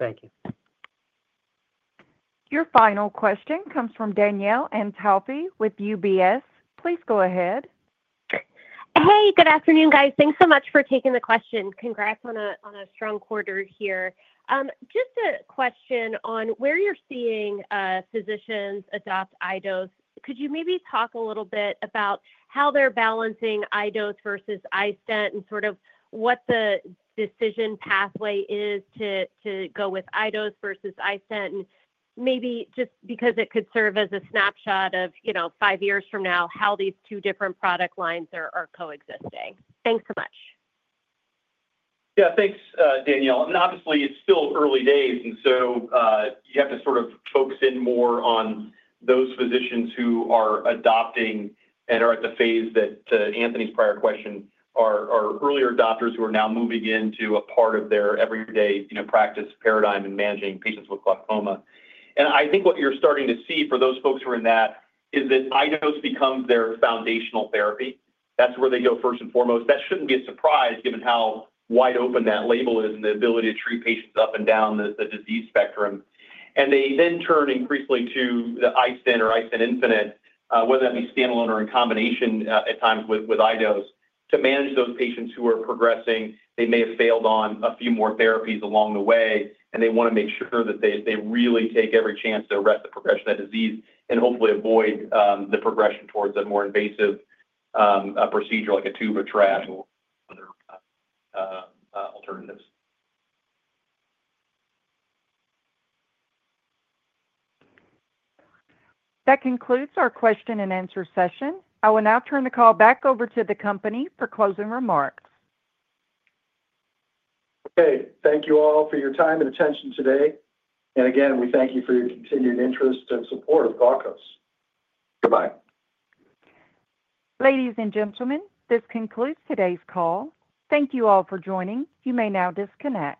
Thank you. Your final question comes from Danielle Antalffy with UBS. Please go ahead. Hey, good afternoon, guys. Thanks so much for taking the question. Congrats on a strong quarter here. Just a question on where you're seeing physicians adopt iDose. Could you maybe talk a little bit about how they're balancing iDose versus iStent and sort of what the decision pathway is to go with iDose versus iStent, and maybe just because it could serve as a snapshot of five years from now how these two different product lines are coexisting. Thanks so much. Yeah, thanks, Danielle. Obviously it's still early days, and you have to sort of focus in more on those physicians who are adopting and are at the phase that Anthony's prior question or earlier doctors who are now moving into a part of their everyday practice paradigm in managing patients with glaucoma. I think what you're starting to see for those folks who are in that is that iDose becomes their foundational therapy. That's where they go first and foremost. That shouldn't be a surprise given how wide open that label is and the ability to treat patients up and down the disease spectrum. They then turn increasingly to the iStent or iStent Infinite, whether that be standalone or in combination at times with iDose to manage those patients who are progressing. They may have failed on a few more therapies along the way. They want to make sure that they really take every chance to arrest the progression of that disease and hopefully avoid the progression towards a more invasive procedure like a tube or trab or other alternatives. That concludes our question and answer session. I will now turn the call back over to the company for closing remarks. Okay, thank you all for your time and attention today. We thank you for your continued interest and support of Glaukos. Goodbye. Ladies and gentlemen, this concludes today's call. Thank you all for joining. You may now disconnect.